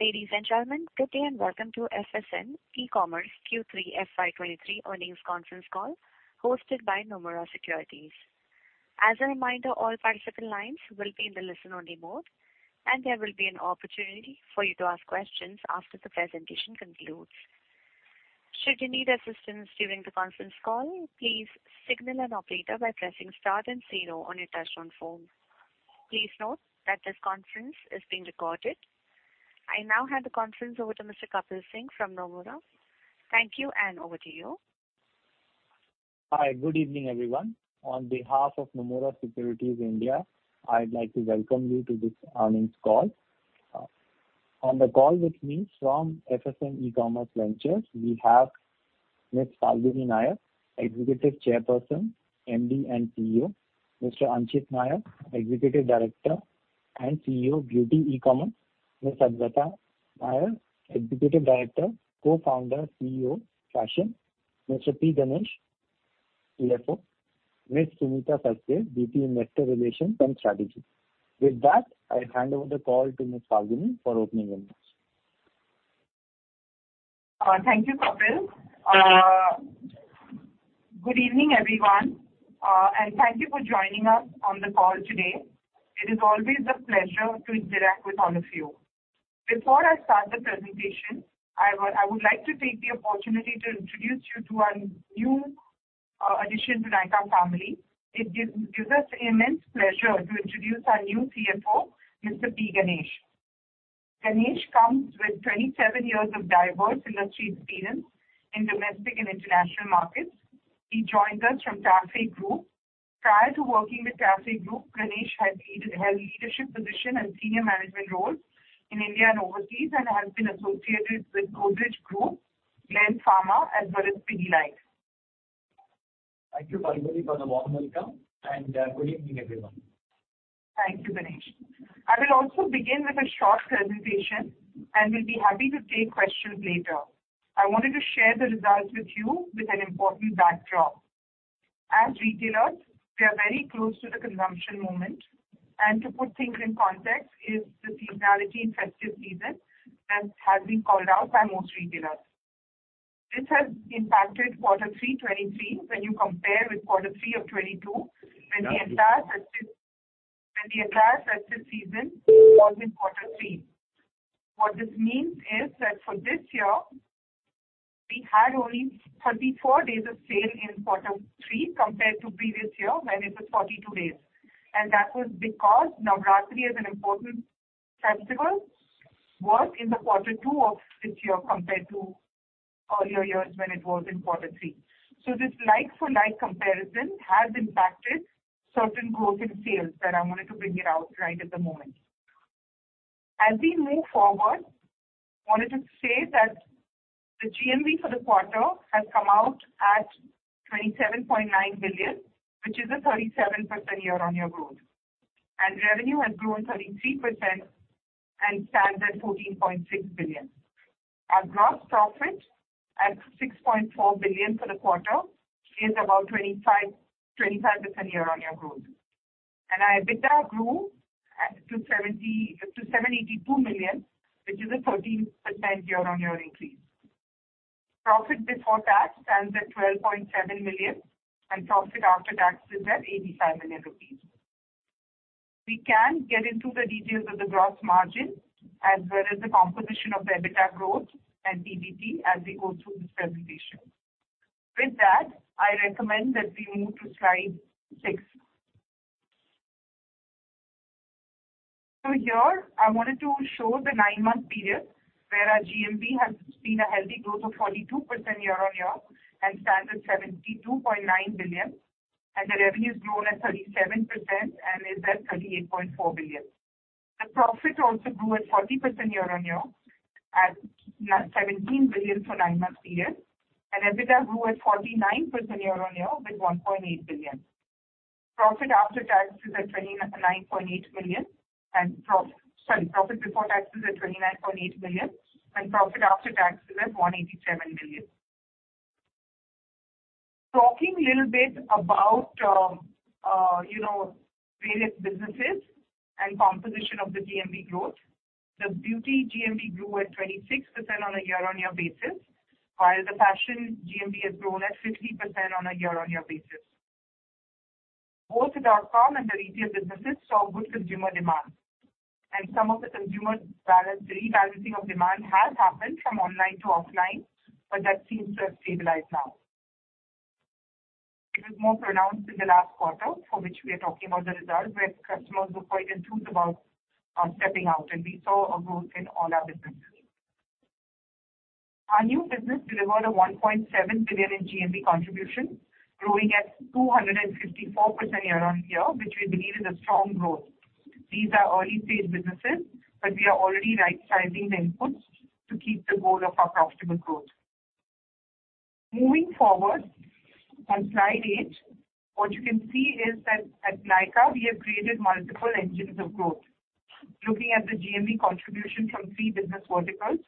Ladies and gentlemen, good day and welcome to FSN E-Commerce Q3 FY 2023 Earnings Conference Call hosted by Nomura Securities. As a reminder, all participant lines will be in the listen-only mode, and there will be an opportunity for you to ask questions after the presentation concludes. Should you need assistance during the conference call, please signal an operator by pressing start and zero on your touch-tone phone. Please note that this conference is being recorded. I now hand the conference over to Mr. Kapil Singh from Nomura. Thank you, and over to you. Hi. Good evening, everyone. On behalf of Nomura Securities India, I'd like to welcome you to this earnings call. On the call with me from FSN E-Commerce Ventures, we have Ms. Falguni Nayar, Executive Chairperson, MD and CEO, Mr. Anchit Nayar, Executive Director and CEO, Beauty E-Commerce, Ms. Adwaita Nayar, Executive Director, Co-founder, CEO, Fashion, Mr. P. Ganesh, CFO, Ms. Sunita Sachdev, VP, Investor Relations and Strategy. With that, I hand over the call to Ms. Falguni for opening remarks. Thank you, Kapil. Good evening, everyone, and thank you for joining us on the call today. It is always a pleasure to interact with all of you. Before I start the presentation, I would like to take the opportunity to introduce you to our new addition to Nykaa family. It gives us immense pleasure to introduce our new CFO, Mr. P. Ganesh. Ganesh comes with 27 years of diverse industry experience in domestic and international markets. He joined us from TAFE Group. Prior to working with TAFE Group, Ganesh has held leadership position and senior management roles in India and overseas, and has been associated with Godrej Group, Glenmark Pharmaceuticals as well as Pidilite. Thank you, Falguni, for the warm welcome, and good evening, everyone. Thank you, Ganesh. I will also begin with a short presentation and will be happy to take questions later. I wanted to share the results with you with an important backdrop. As retailers, we are very close to the consumption moment. To put things in context is the seasonality in festive season that has been called out by most retailers. This has impacted quarter three 2023 when you compare with quarter three of 2022, when the entire festive season falls in quarter three. What this means is that for this year we had only 34 days of sale in quarter three compared to previous year when it was 42 days. That was because Navratri is an important festival, was in the quarter two of this year compared to earlier years when it was in quarter three. This like for like comparison has impacted certain growth in sales that I wanted to bring it out right at the moment. As we move forward, I wanted to say that the GMV for the quarter has come out at 27.9 billion, which is a 37% year-on-year growth. Revenue has grown 33% and stands at 14.6 billion. Our gross profit at 6.4 billion for the quarter is about 25% year-on-year growth. Our EBITDA grew to 782 million, which is a 13% year-on-year increase. Profit before tax stands at 12.7 million, and profit after tax is at 85 million rupees. We can get into the details of the gross margin as well as the composition of the EBITDA growth and PBT as we go through this presentation. I recommend that we move to slide six. I wanted to show the nine-month period where our GMV has seen a healthy growth of 42% year-on-year and stands at 72.9 billion, and the revenue's grown at 37% and is at 38.4 billion. The profit also grew at 40% year-on-year at 17 billion for nine months period, and EBITDA grew at 49% year-on-year with 1.8 billion. Profit after tax is at 29.8 million. Profit before tax is at 29.8 million, and profit after tax is at 187 million. Talking little bit about, you know, various businesses and composition of the GMV growth. The beauty GMV grew at 26% on a year-on-year basis, while the fashion GMV has grown at 50% on a year-on-year basis. Both the dot-com and the retail businesses saw good consumer demand. Some of the consumer rebalancing of demand has happened from online to offline, but that seems to have stabilized now. It was more pronounced in the last quarter, for which we are talking about the results, where customers were quite enthused about stepping out, and we saw a growth in all our businesses. Our new business delivered 1.7 billion in GMV contribution, growing at 254% year-on-year, which we believe is a strong growth. These are early-stage businesses, but we are already right-sizing the inputs to keep the goal of our profitable growth. Moving forward, on slide eight, what you can see is that at Nykaa we have created multiple engines of growth. Looking at the GMV contribution from three business verticals,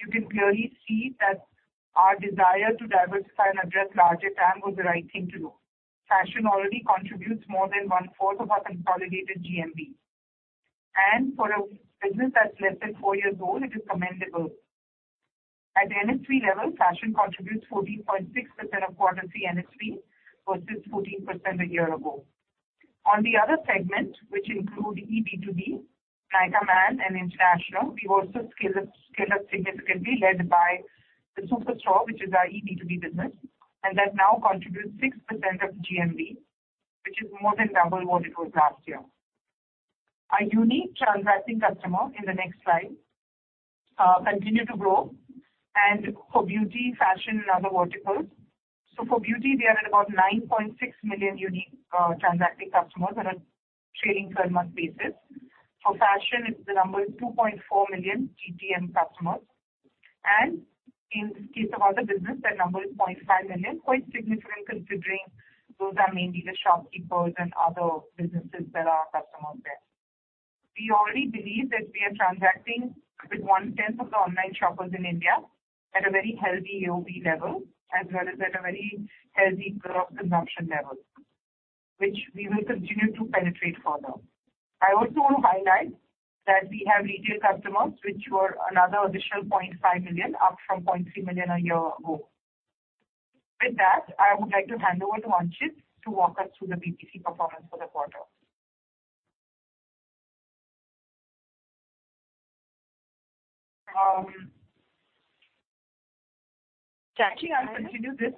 you can clearly see that our desire to diversify and address larger TAM was the right thing to do. Fashion already contributes more than 1/4 of our consolidated GMV. For a business that's less than four years old, it is commendable. At the NSV level, fashion contributes 14.6% of quarter C NSV versus 14% a year ago. On the other segment, which include eB2B, Nykaa Man and international, we've also scaled up significantly, led by the Superstore, which is our eB2B business, and that now contributes 6% of GMV, which is more than double what it was last year. Our unique transacting customer, in the next slide, continue to grow, and for beauty, fashion and other verticals. For beauty, we are at about 9.6 million unique transacting customers on a trailing twelve-month basis. For fashion, the number is 2.4 million TTM customers. In case of other business, that number is 0.5 million, quite significant considering those are mainly the shopkeepers and other businesses that are our customers there. We already believe that we are transacting with one-tenth of the online shoppers in India at a very healthy AOV level, as well as at a very healthy growth consumption level, which we will continue to penetrate further. I also want to highlight that we have retail customers which were another additional 0.5 million, up from 0.3 million a year ago. With that, I would like to hand over to Anchit to walk us through the BPC performance for the quarter. Actually, I'll continue this.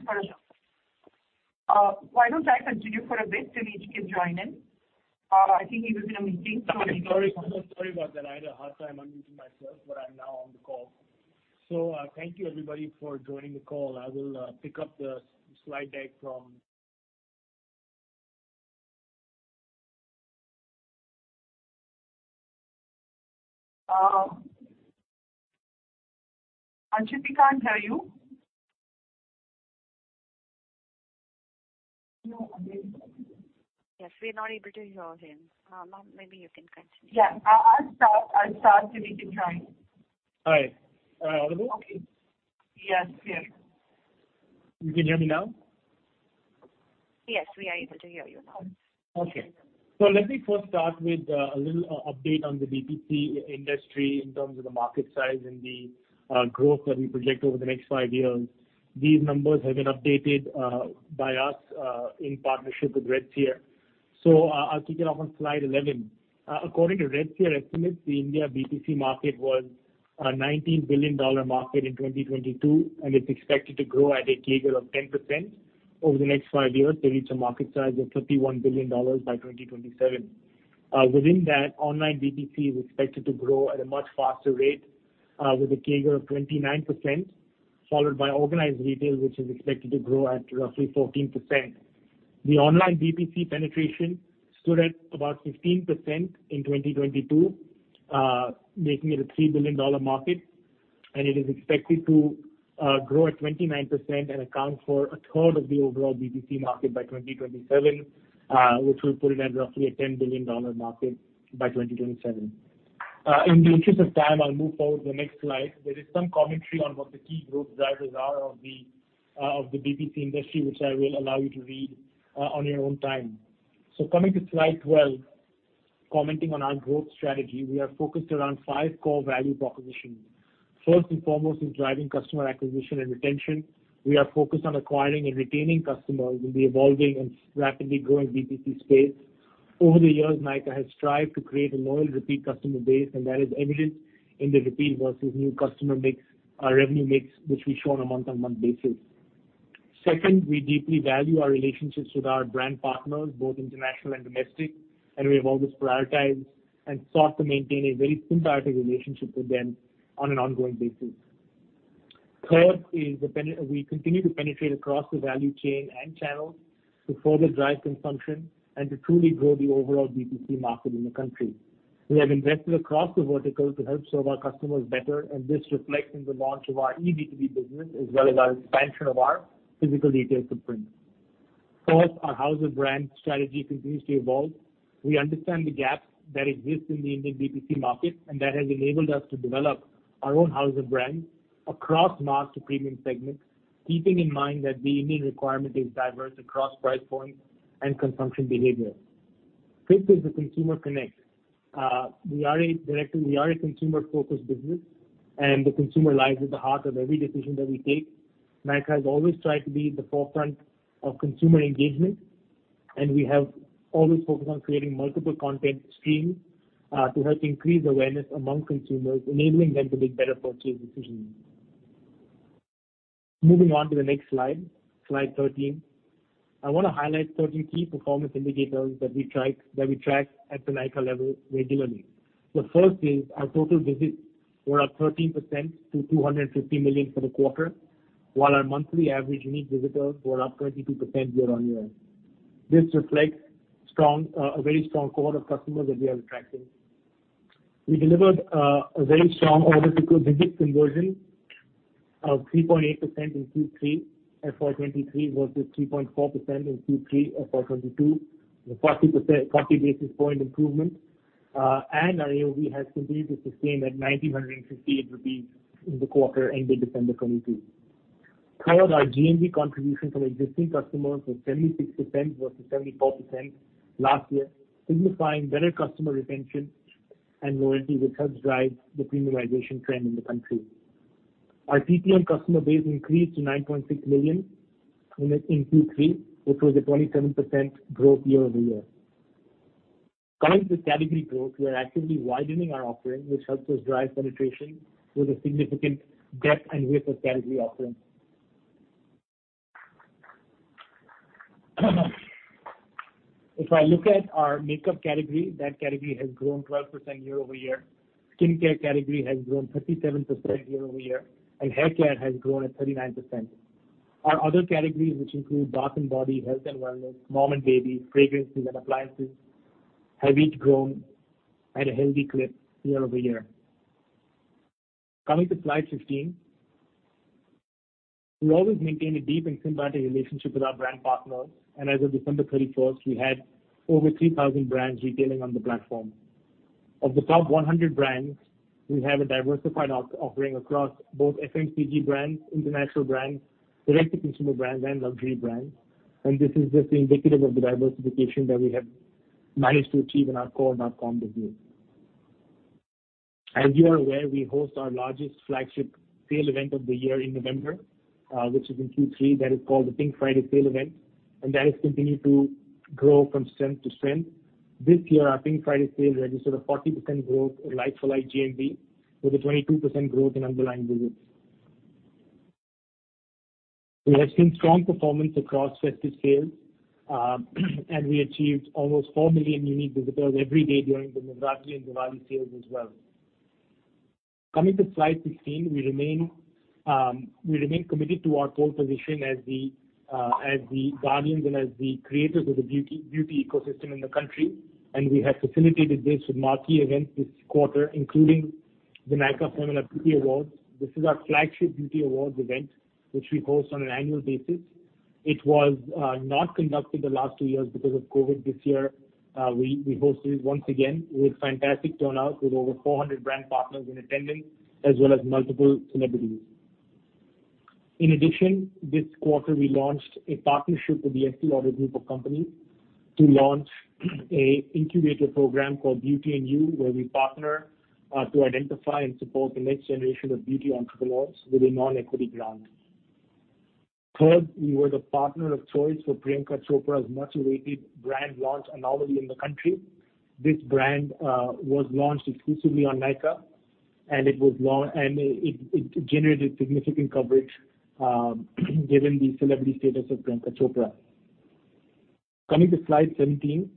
Why don't I continue for a bit till he can join in? I think he was in a meeting. Sorry about that. I had a hard time unmuting myself, but I'm now on the call. Thank you everybody for joining the call. I will pick up the slide deck from. Anchit, we can't hear you. No, Anchit. Yes, we're not able to hear him. Ma'am, maybe you can continue. Yeah. I'll start till he can join. All right. audible? Okay. Yes, yes. You can hear me now? Yes, we are able to hear you now. Okay. Let me first start with a little update on the BPC industry in terms of the market size and the growth that we project over the next five years. These numbers have been updated by us in partnership with Redseer. I'll kick it off on slide 11. According to Redseer estimates, the India BPC market was a $19 billion market in 2022, and it's expected to grow at a CAGR of 10% over the next five years to reach a market size of $51 billion by 2027. Within that, online BPC is expected to grow at a much faster rate with a CAGR of 29%, followed by organized retail, which is expected to grow at roughly 14%. The online BPC penetration stood at about 15% in 2022, making it a $3 billion market. It is expected to grow at 29% and account for a third of the overall BPC market by 2027, which will put it at roughly a $10 billion market by 2027. In the interest of time, I'll move forward to the next slide. There is some commentary on what the key growth drivers are of the BPC industry, which I will allow you to read on your own time. Coming to slide 12, commenting on our growth strategy. We are focused around five core value propositions. First and foremost is driving customer acquisition and retention. We are focused on acquiring and retaining customers in the evolving and rapidly growing BPC space. Over the years, Nykaa has strived to create a loyal repeat customer base. That is evident in the repeat versus new customer mix, revenue mix, which we show on a month-on-month basis. Second, we deeply value our relationships with our brand partners, both international and domestic. We have always prioritized and sought to maintain a very symbiotic relationship with them on an ongoing basis. Third is we continue to penetrate across the value chain and channels to further drive consumption and to truly grow the overall BPC market in the country. We have invested across the vertical to help serve our customers better. This reflects in the launch of our eB2B business as well as our expansion of our physical retail footprint. Fourth, our house of brands strategy continues to evolve. We understand the gaps that exist in the Indian BPC market, that has enabled us to develop our own house of brands across mass to premium segments, keeping in mind that the Indian requirement is diverse across price points and consumption behavior. Fifth is the consumer connect. We are a consumer-focused business, the consumer lies at the heart of every decision that we take. Nykaa has always tried to be at the forefront of consumer engagement, we have always focused on creating multiple content streams to help increase awareness among consumers, enabling them to make better purchase decisions. Moving on to the next slide 13. I wanna highlight certain key performance indicators that we track at the Nykaa level regularly. The first is our total visits were up 13% to 250 million for the quarter, while our monthly average unique visitors were up 22% year-on-year. This reflects a very strong cohort of customers that we are attracting. We delivered a very strong order to visit conversion of 3.8% in Q3 FY 2023 versus 3.4% in Q3 FY 2022, a 40 basis point improvement. Our AOV has continued to sustain at 1,958 rupees in the quarter ending December 2022. Third, our GMV contribution from existing customers was 76% versus 74% last year, signifying better customer retention and loyalty, which helps drive the premiumization trend in the country. Our TTM customer base increased to 9.6 million in Q3, which was a 27% growth year-over-year. Coming to category growth, we are actively widening our offering which helps us drive penetration with a significant depth and width of category offering. If I look at our makeup category, that category has grown 12% year-over-year. Skincare category has grown 37% year-over-year, and haircare has grown at 39%. Our other categories which include bath and body, health and wellness, mom and baby, fragrances and appliances, have each grown at a healthy clip year-over-year. Coming to slide 15. We always maintain a deep and symbiotic relationship with our brand partners, and as of December 31st, we had over 3,000 brands retailing on the platform. Of the top 100 brands, we have a diversified offering across both FMCG brands, international brands, direct to consumer brands, and luxury brands. This is just indicative of the diversification that we have managed to achieve in our core MarCom business. As you are aware, we host our largest flagship sale event of the year in November, which is in Q3. That is called the Pink Friday Sale event, and that has continued to grow from strength to strength. This year, our Pink Friday Sale registered a 40% growth in like-for-like GMV with a 22% growth in underlying visits. We have seen strong performance across festive sales, and we achieved almost four million unique visitors every day during the Navratri and Diwali sales as well. Coming to slide 16. We remain committed to our pole position as the guardians and as the creators of the beauty ecosystem in the country, and we have facilitated this with marquee events this quarter, including the Nykaa Femina Beauty Awards. This is our flagship beauty awards event, which we host on an annual basis. It was not conducted the last two years because of COVID. This year, we hosted it once again with fantastic turnout with over 400 brand partners in attendance as well as multiple celebrities. In addition, this quarter we launched a partnership with the Estée Lauder Companies to launch a incubator program called BEAUTY&YOU, where we partner to identify and support the next generation of beauty entrepreneurs with a non-equity grant. Third, we were the partner of choice for Priyanka Chopra's much-awaited brand launch Anomaly in the country. This brand was launched exclusively on Nykaa, and it generated significant coverage given the celebrity status of Priyanka Chopra. Coming to slide 17.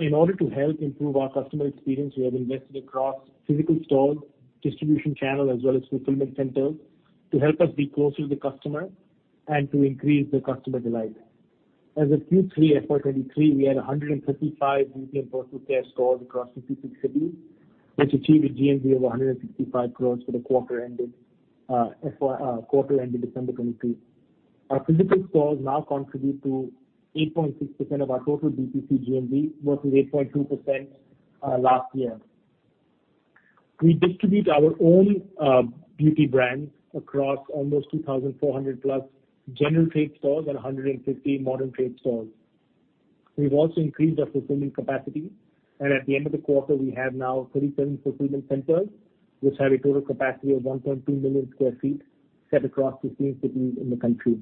In order to help improve our customer experience, we have invested across physical stores, distribution channel, as well as fulfillment centers to help us be closer to the customer and to increase the customer delight. As of Q3 FY 2023, we had 135 beauty and personal care stores across 56 cities, which achieved a GMV of 165 crores for the quarter ending FY quarter ending December 2022. Our physical stores now contribute to 8.6% of our total BPC GMV versus 8.2% last year. We distribute our own beauty brands across almost 2,400+ General Trade stores and 150 Modern Trade stores. We've also increased our fulfillment capacity. At the end of the quarter, we have now 37 fulfillment centers which have a total capacity of 1.2 million sq ft set across 15 cities in the country.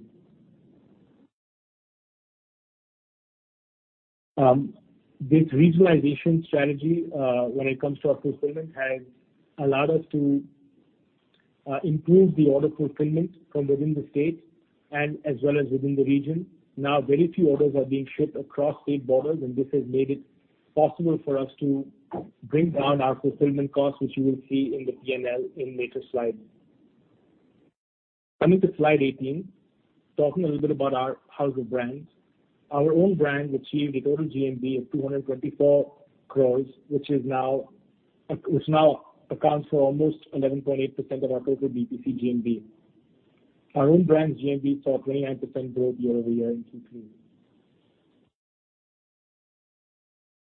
This regionalization strategy, when it comes to our fulfillment, has allowed us to improve the order fulfillment from within the state and as well as within the region. Very few orders are being shipped across state borders, and this has made it possible for us to bring down our fulfillment costs, which you will see in the P&L in later slides. Coming to slide 18. Talking a little bit about our house of brands. Our own brand achieved a total GMV of 224 crore, which now accounts for almost 11.8% of our total BPC GMV. Our own brand's GMV saw 29% growth year-over-year in Q3.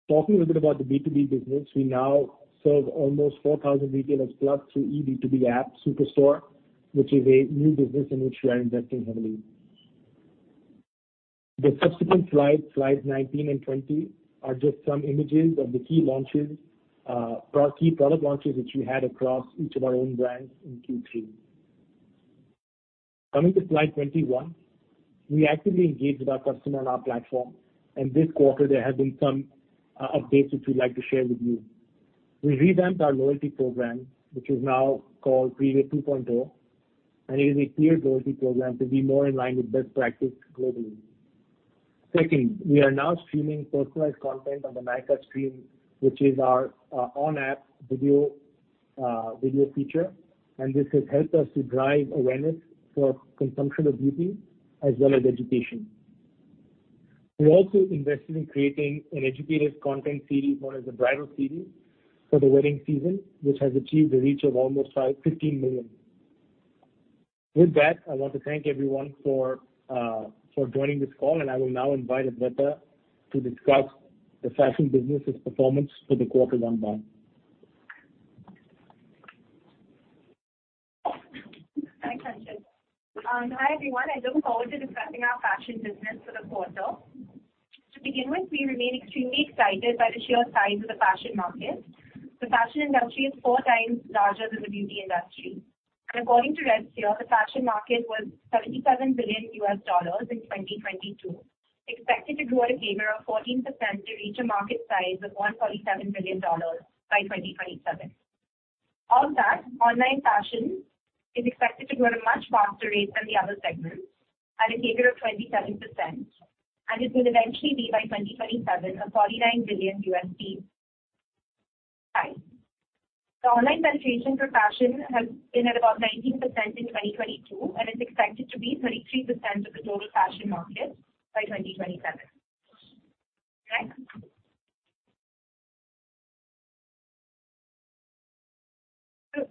Talking a little bit about the B2B business, we now serve almost 4,000 retailers plus through eB2B app Superstore, which is a new business in which we are investing heavily. The subsequent slides 19 and 20, are just some images of the key launches, or key product launches which we had across each of our own brands in Q3. Coming to slide 21. We actively engage with our customer on our platform, this quarter there have been some updates which we'd like to share with you. We revamped our loyalty program, which is now called Prive 2.0. It is a tiered loyalty program to be more in line with best practice globally. We are now streaming personalized content on the Nykaa Stream, which is our on-app video video feature. This has helped us to drive awareness for consumption of beauty as well as education. We also invested in creating an educative content series known as the Bridal Series for the wedding season, which has achieved a reach of almost 15 million. I want to thank everyone for for joining this call. I will now invite Adwaita Nayar to discuss the fashion business's performance for the quarter rundown. Thanks, Anchit. Hi, everyone. I look forward to discussing our fashion business for the quarter. To begin with, we remain extremely excited by the sheer size of the fashion market. The fashion industry is four times larger than the beauty industry, and according to Redseer, the fashion market was $77 billion in 2022, expected to grow at a CAGR of 14% to reach a market size of $147 billion by 2027. Of that, online fashion is expected to grow at a much faster rate than the other segments at a CAGR of 27%, and it will eventually be, by 2027, a $49 billion size. The online penetration for fashion has been at about 19% in 2022 and is expected to be 33% of the total fashion market by 2027. Next.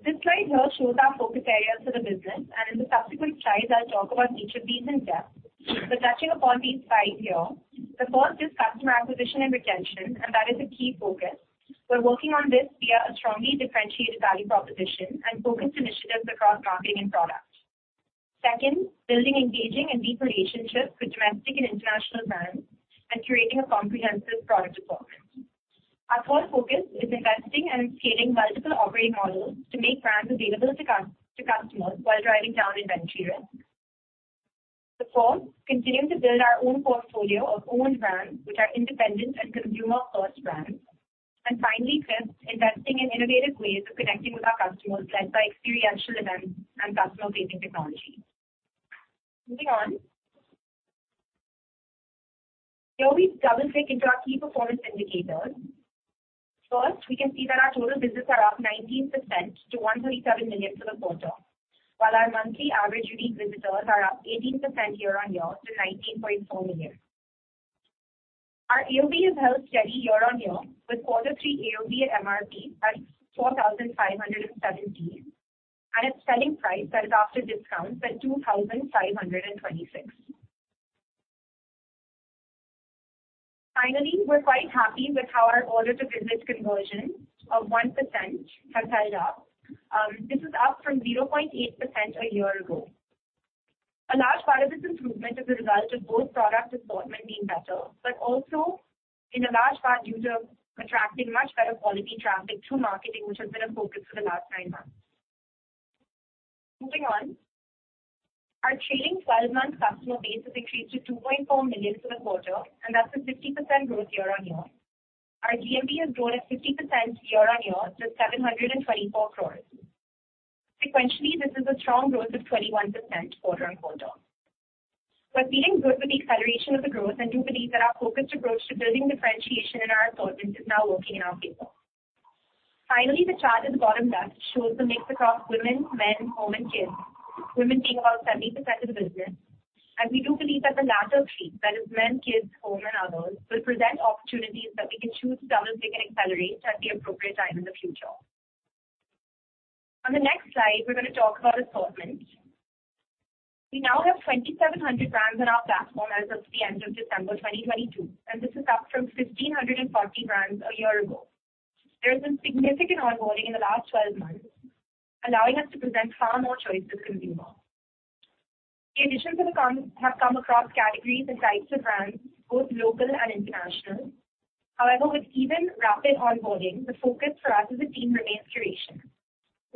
This slide here shows our focus areas for the business, in the subsequent slides, I'll talk about each of these in depth. Touching upon these five here, the first is customer acquisition and retention, that is a key focus. We're working on this via a strongly differentiated value proposition and focused initiatives across marketing and product. Second, building engaging and deep relationships with domestic and international brands and curating a comprehensive product assortment. Our core focus is investing and scaling multiple operating models to make brands available to customers while driving down inventory risk. The fourth, continuing to build our own portfolio of owned brands, which are independent and consumer-first brands. Finally, fifth, investing in innovative ways of connecting with our customers, led by experiential events and customer-facing technology. Moving on. Here we double-click into our key performance indicators. We can see that our total visits are up 19% to 137 million for the quarter, while our monthly average unique visitors are up 18% year-on-year to 19.4 million. Our AOV has held steady year-on-year, with quarter three AOV at MRP at 4,517, and its selling price, that is after discounts, at 2,526. We're quite happy with how our order-to-visit conversion of 1% has held up. This is up from 0.8% a year ago. A large part of this improvement is a result of both product assortment being better, but also in a large part due to attracting much better quality traffic through marketing, which has been a focus for the last nine months. Moving on. Our trailing twelve-month customer base has increased to 2.4 million for the quarter. That's a 50% growth year-on-year. Our GMV has grown at 50% year-on-year to 724 crores. Sequentially, this is a strong growth of 21% quarter-on-quarter. We're feeling good with the acceleration of the growth and do believe that our focused approach to building differentiation in our assortment is now working in our favor. Finally, the chart at the bottom left shows the mix across women, men, home and kids. Women take about 70% of the business. We do believe that the latter three, that is men, kids, home and others, will present opportunities that we can choose to double-click and accelerate at the appropriate time in the future. On the next slide, we're gonna talk about assortment. We now have 2,700 brands on our platform as of the end of December 2022. This is up from 1,540 brands a year ago. There has been significant onboarding in the last 12 months, allowing us to present far more choice to the consumer. The additions have come across categories and types of brands, both local and international. With even rapid onboarding, the focus for us as a team remains curation.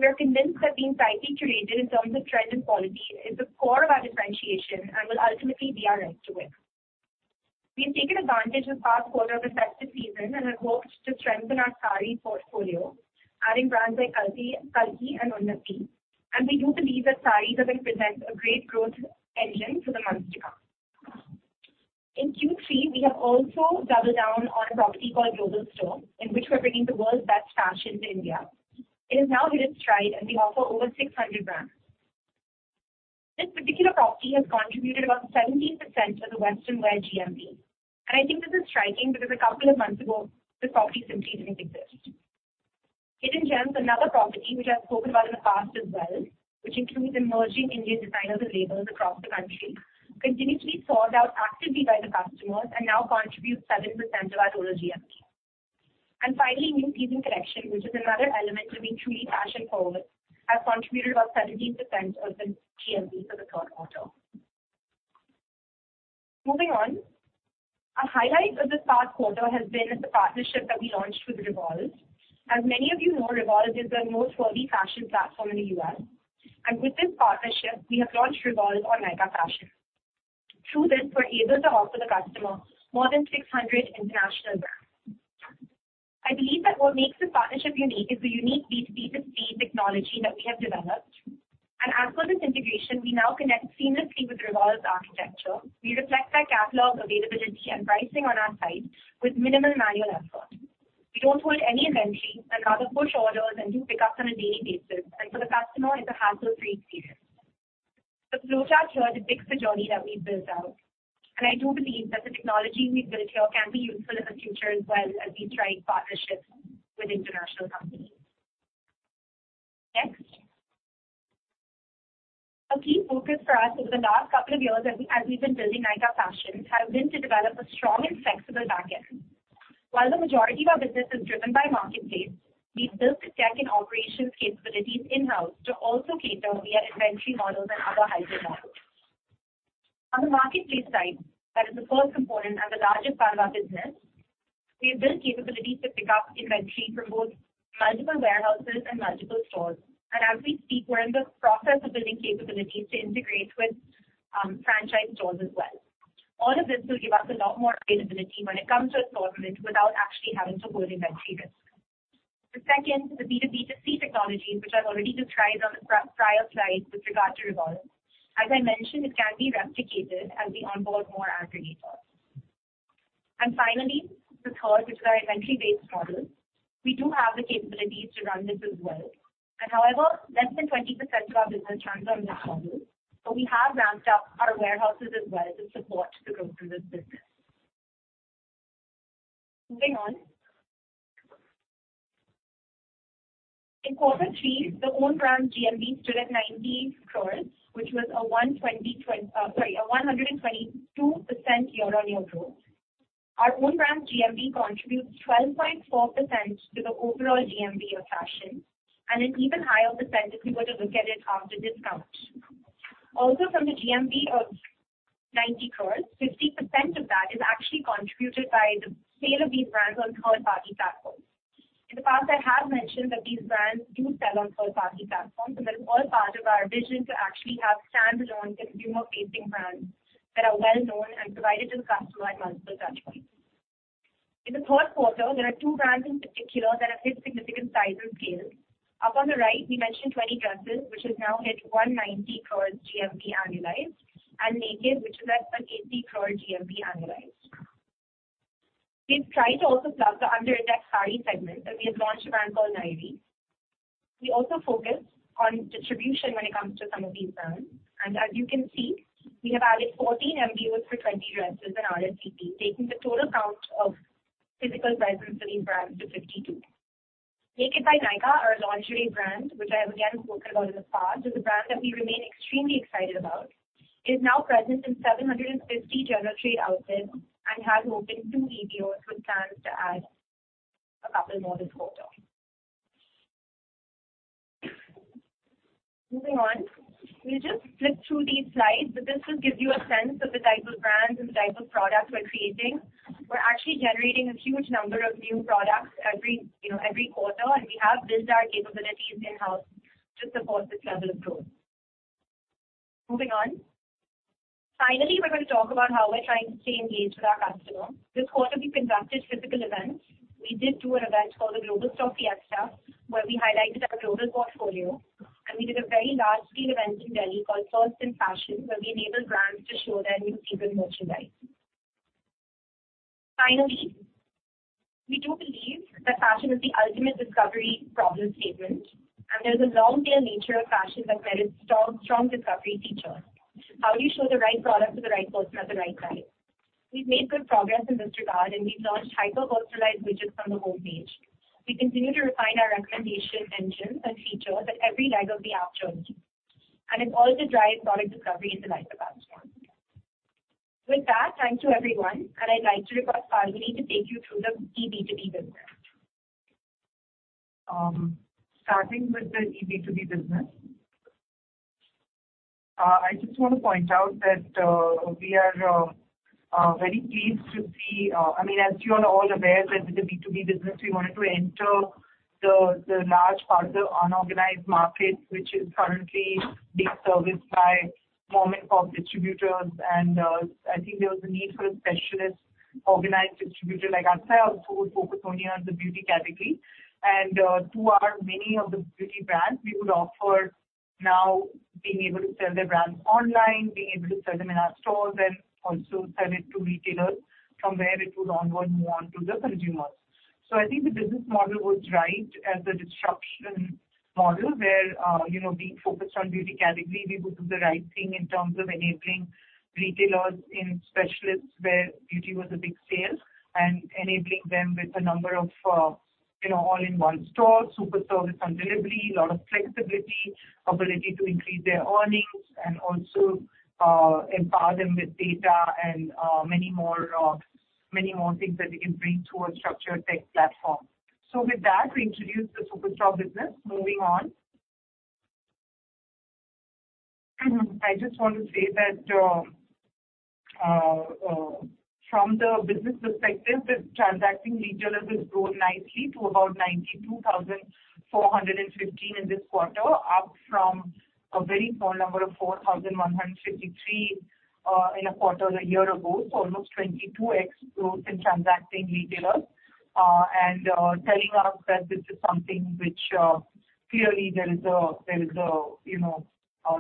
We are convinced that being tightly curated in terms of trend and quality is the core of our differentiation and will ultimately be our right to win. We've taken advantage of past quarter festive season and have worked to strengthen our sari portfolio, adding brands like KALKI Fashion, KALKI Fashion and Unnati Silks. We do believe that saris are going to present a great growth engine for the months to come. In Q3, we have also doubled down on a property called Global Store, in which we're bringing the world's best fashion to India. It has now hit its stride. We offer over 600 brands. This particular property has contributed about 17% of the western wear GMV, and I think this is striking because a couple of months ago, this property simply didn't exist. Hidden Gems, another property which I've spoken about in the past as well, which includes emerging Indian designers and labels across the country, continuously sought out actively by the customers and now contributes 7% of our total GMV. Finally, New Season Collection, which is another element to being truly fashion-forward, has contributed about 17% of the GMV for the third quarter. Moving on. A highlight of this past quarter has been the partnership that we launched with REVOLVE. As many of you know, REVOLVE is the most trendy fashion platform in the U.S. With this partnership, we have launched REVOLVE on Nykaa Fashion. Through this, we're able to offer the customer more than 600 international brands. I believe that what makes this partnership unique is the unique B2B2C technology that we have developed. As per this integration, we now connect seamlessly with REVOLVE's architecture. We reflect their catalog availability and pricing on our site with minimal manual effort. We don't hold any inventory and rather push orders and do pickups on a daily basis. For the customer, it's a hassle-free experience. The flowchart here depicts the journey that we've built out. I do believe that the technology we built here can be useful in the future as well as we try partnerships with international companies. Next. A key focus for us over the last couple of years as we, as we've been building Nykaa Fashion has been to develop a strong and flexible backend. While the majority of our business is driven by marketplace, we built tech and operations capabilities in-house to also cater via inventory models and other hybrid models. On the marketplace side, that is the first component and the largest part of our business, we have built capabilities to pick up inventory from both multiple warehouses and multiple stores. And as we speak, we're in the process of building capabilities to integrate with franchise stores as well. All of this will give us a lot more availability when it comes to assortment without actually having to hold inventory risk. The second, the B2B2C technology, which I've already described on the pre-prior slide with regard to REVOLVE. As I mentioned, it can be replicated as we onboard more aggregators. Finally, the third, which is our inventory-based model. We do have the capabilities to run this as well. However, less than 20% of our business runs on that model, so we have ramped up our warehouses as well to support the growth of this business. Moving on. In quarter three, the own brand GMV stood at 90 crores, which was a 122% year-on-year growth. Our own brand GMV contributes 12.4% to the overall GMV of fashion, and an even higher percent if you were to look at it after discount. From the GMV of 90 crores, 50% of that is actually contributed by the sale of these brands on third-party platforms. In the past, I have mentioned that these brands do sell on third-party platforms, and that is all part of our vision to actually have standalone consumer-facing brands that are well-known and provided to the customer at multiple touchpoints. In the third quarter, there are two brands in particular that have hit significant size and scale. Up on the right, we mentioned Twenty Dresses, which has now hit 190 crore GMV annualized, and Nykd, which is at 180 crore GMV annualized. We've tried to also plug the underindex saree segment, and we have launched a brand called Nayee. We also focus on distribution when it comes to some of these brands. As you can see, we have added 14 MBOs for Twenty Dresses and RSVP, taking the total count of physical presence for these brands to 52. Nykd by Nykaa, our lingerie brand, which I have again spoken about in the past, is a brand that we remain extremely excited about. It is now present in 750 general trade outlets and has opened two MBOs with plans to add a couple more this quarter. Moving on. We'll just flip through these slides, but this will give you a sense of the type of brands and the type of products we're creating. We're actually generating a huge number of new products every, you know, every quarter, and we have built our capabilities in-house to support this level of growth. Moving on. Finally, we're going to talk about how we're trying to stay engaged with our customer. This quarter, we conducted physical events. We did do an event called the Global Style Fiesta, where we highlighted our global portfolio. We did a very large-scale event in Delhi called First in Fashion, where we enabled brands to show their new season merchandise. We do believe that fashion is the ultimate discovery problem statement. There's a long-tail nature of fashion that merits strong discovery features. How do you show the right product to the right person at the right time? We've made good progress in this regard. We've launched hyper-personalized widgets on the homepage. We continue to refine our recommendation engines and features at every leg of the app journey. It's all to drive product discovery in the life of our customer. With that, thanks to everyone. I'd like to request Falguni to take you through the B2B business. Starting with the B2B business. I just want to point out that we are very pleased to see. I mean, as you are all aware that with the B2B business, we wanted to enter the large part of unorganized market, which is currently being serviced by mom-and-pop distributors. I think there was a need for a specialist organized distributor like ourselves who would focus only on the beauty category. To our many of the beauty brands, we would offer now being able to sell their brands online, being able to sell them in our stores, and also sell it to retailers. From there, it would onward move on to the consumers. I think the business model was right as a disruption model where, you know, being focused on beauty category, we would do the right thing in terms of enabling retailers in specialists where beauty was a big sale, and enabling them with a number of, you know, all-in-one store, super service on delivery, lot of flexibility, ability to increase their earnings, and also, empower them with data and many more things that we can bring to a structured tech platform. With that, we introduce the Superstore business. Moving on. I just want to say that, from the business perspective, the transacting retailers has grown nicely to about 92,415 in this quarter, up from a very small number of 4,153 in a quarter a year ago. Almost 22x growth in transacting retailers, telling us that this is something which clearly there is a, you know, I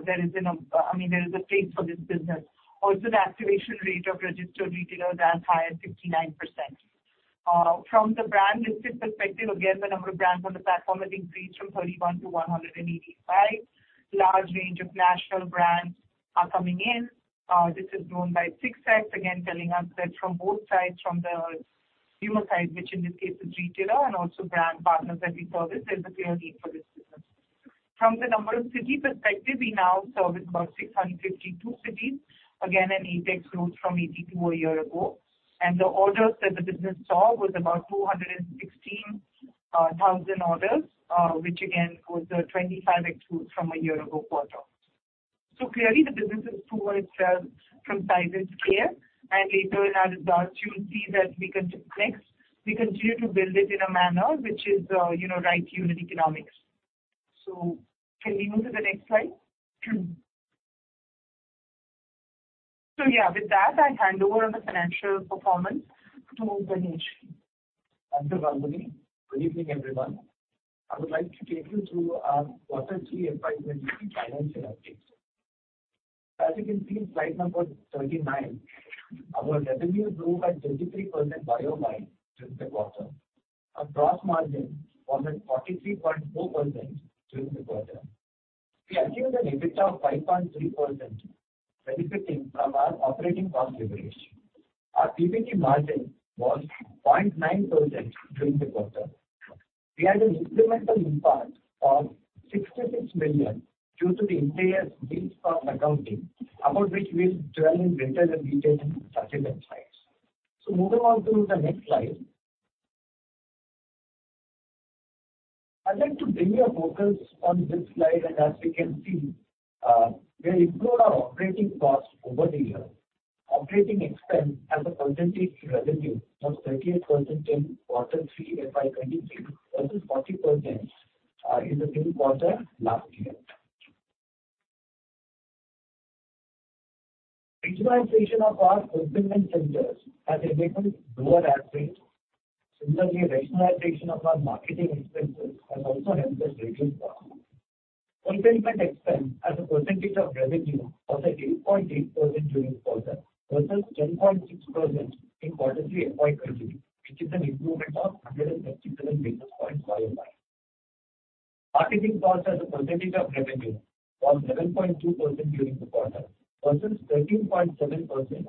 mean, there is a place for this business. Also, the activation rate of registered retailers are as high as 59%. From the brand listed perspective, again, the number of brands on the platform has increased from 31-185. Large range of national brands are coming in, this is known by 6 times. Again, telling us that from both sides, from the consumer side, which in this case is retailer and also brand partners that we service, there's a clear need for this business. From the number of city perspective, we now service about 652 cities. Again, an 8x growth from 82 a year ago. The orders that the business saw was about 216,000 orders, which again was a 25x growth from a year ago quarter. Clearly the business has proven itself from size and scale, and later in our slides you'll see that we continue to build it in a manner which is, you know, right unit economics. Can we move to the next slide? Yeah, with that, I hand over on the financial performance to Ganesh. Thank you, Falguni. Good evening, everyone. I would like to take you through our Q3 FY 2023 financial updates. As you can see in slide number 39, our revenue grew by 33% YoY during the quarter. Our gross margin formed at 43.4% during the quarter. We achieved an EBITDA of 5.3%, benefiting from our operating cost leverage. Our PBT margin was 0.9% during the quarter. We had an incremental impact of 66 million due to the Ind AS lease cost accounting, about which we'll dwell in greater detail in subsequent slides. Moving on to the next slide. I'd like to bring your focus on this slide. As we can see, we improved our operating costs over the year. Operating expense as a percentage of revenue was 38% in Q3 FY 2023 versus 40% in the same quarter last year. Regionalization of our fulfillment centers has enabled lower ad rates. Similarly, rationalization of our marketing expenses has also helped us reduce costs. Fulfillment expense as a percentage of revenue was at 8.8% during the quarter versus 10.6% in Q3 FY 2022, which is an improvement of 137 basis points YoY. Marketing costs as a percentage of revenue was 11.2% during the quarter versus 13.7%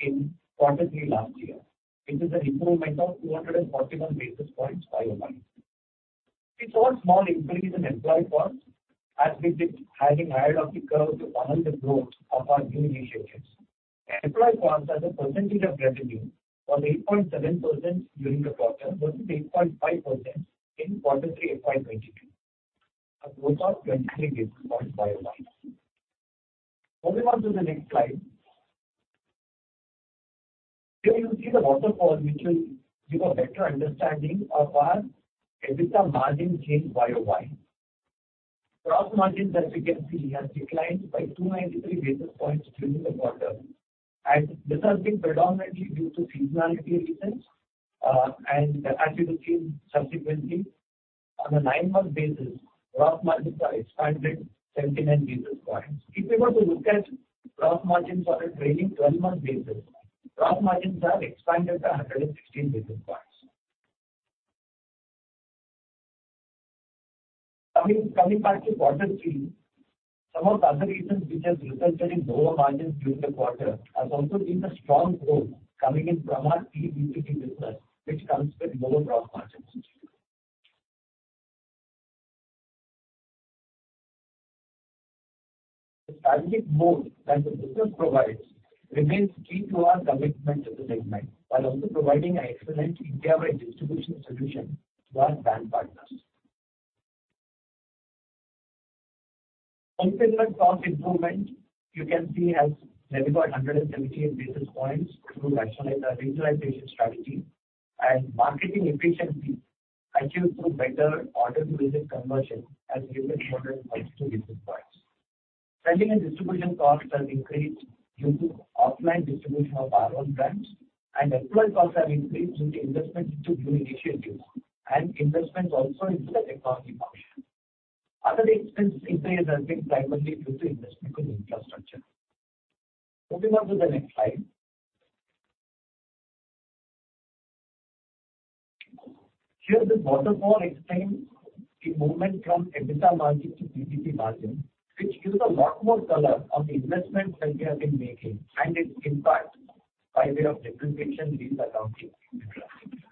in Q3 last year, which is an improvement of 241 basis points YoY. We saw a small increase in employee costs as we having hired up the curve to honor the growth of our new initiatives. Employee costs as a percentage of revenue was 8.7% during the quarter versus 8.5% in Q3 FY 2022, a growth of 23 basis points YoY. Moving on to the next slide. Here you see the waterfall which will give a better understanding of our EBITDA margin change YoY. Gross margin, as you can see, has declined by 293 basis points during the quarter, and this has been predominantly due to seasonality reasons. And as you will see subsequently, on a nine-month basis, gross margins are expanded 79 basis points. If you were to look at gross margins on a trailing 12-month basis, gross margins have expanded by 116 basis points. Coming back to quarter three, some of the other reasons which have resulted in lower margins during the quarter has also been the strong growth coming in from our PBT business, which comes with lower gross margins. The strategic mode that the business provides remains key to our commitment to the segment, while also providing an excellent India-wide distribution solution to our brand partners. Fulfillment cost improvement, you can see, has delivered 178 basis points through rationalized regionalization strategy. Marketing efficiency achieved through better order to visit conversion has delivered 162 basis points. Selling and distribution costs have increased due to offline distribution of our own brands. Employee costs have increased due to investments into new initiatives and investments also into the technology function. Other expense increase has been primarily due to investment in infrastructure. Moving on to the next slide. Here this waterfall explains the movement from EBITDA margin to PBT margin, which gives a lot more color on the investments that we have been making and its impact by way of depreciation lease accounting in the draft.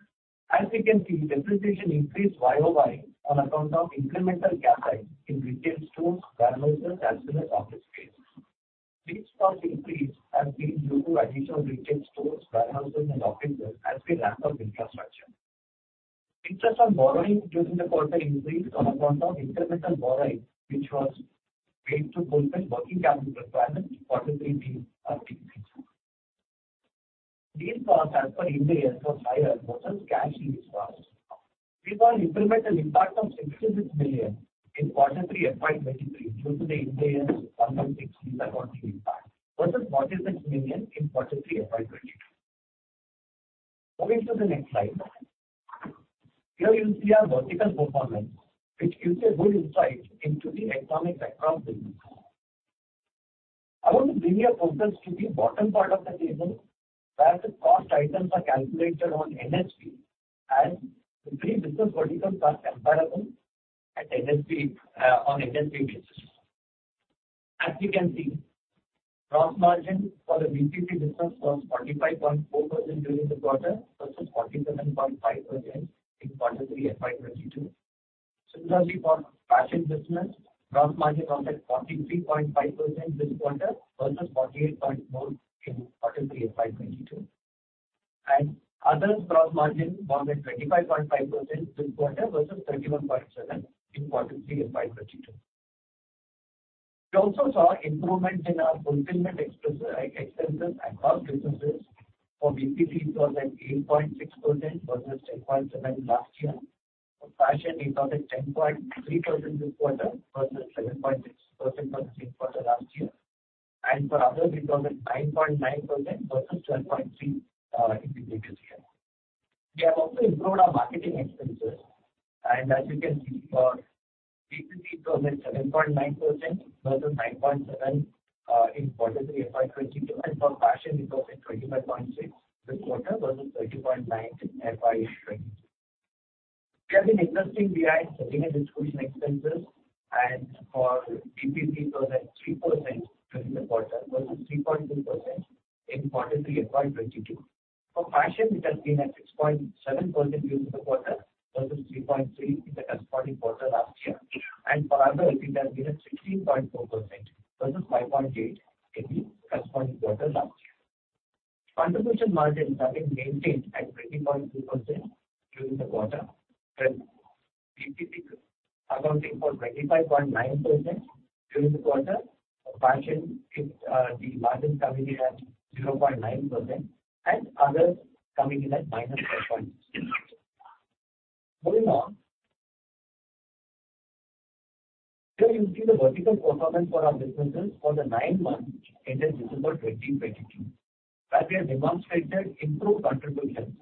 As you can see, depreciation increased YoY on account of incremental CapEx in retail stores, warehouses, as well as office space. Lease cost increase has been due to addition of retail stores, warehouses, and offices as we ramp up infrastructure. Interest on borrowing during the quarter increased on account of incremental borrowing, which was made to fulfill working capital requirements, Q3 being a peak season. Lease costs as per Ind AS was higher versus cash lease costs. We saw an incremental impact of 66 million in Q3 FY 2023 due to the Ind AS 116 lease accounting impact versus INR 46 million in Q3 FY 2022. Moving to the next slide. Here you'll see our vertical performance, which gives a good insight into the economic background business. I want to bring your focus to the bottom part of the table where the cost items are calculated on NSV and the three business verticals are comparable at NSV on NSV basis. As you can see, gross margin for the BPC business was 45.4% during the quarter versus 47.5% in Q3 FY 2022. Similarly, for fashion business, gross margin was at 43.5% this quarter versus 48.4% in Q3 FY 2022. Others gross margin was at 25.5% this quarter versus 31.7% in Q3 FY 2022. We also saw improvement in our fulfillment expenses across businesses. For BPC it was at 8.6% versus 10.7% last year. For fashion it was at 10.3% this quarter versus 7.6% for the same quarter last year. For others it was at 9.9% versus 12.3% in the previous year. We have also improved our marketing expenses. As you can see, for BPC it was at 7.9% versus 9.7% in quarter three FY 2022, and for fashion it was at 25.6% this quarter versus 30.9% in FY 2022. We have been investing behind selling and distribution expenses, for BPC it was at 3% during the quarter versus 3.2% in quarter three FY 2022. For fashion it has been at 6.7% during the quarter versus 3.3% in the corresponding quarter last year. For others it has been at 16.4% versus 5.8% in the corresponding quarter last year. Contribution margins have been maintained at 20.2% during the quarter, with BPC accounting for 25.9% during the quarter. For fashion it, the margin coming in at 0.9% and others coming in at -5.6%. Moving on. Here you see the vertical performance for our businesses for the nine months ended December 2022, where we have demonstrated improved contributions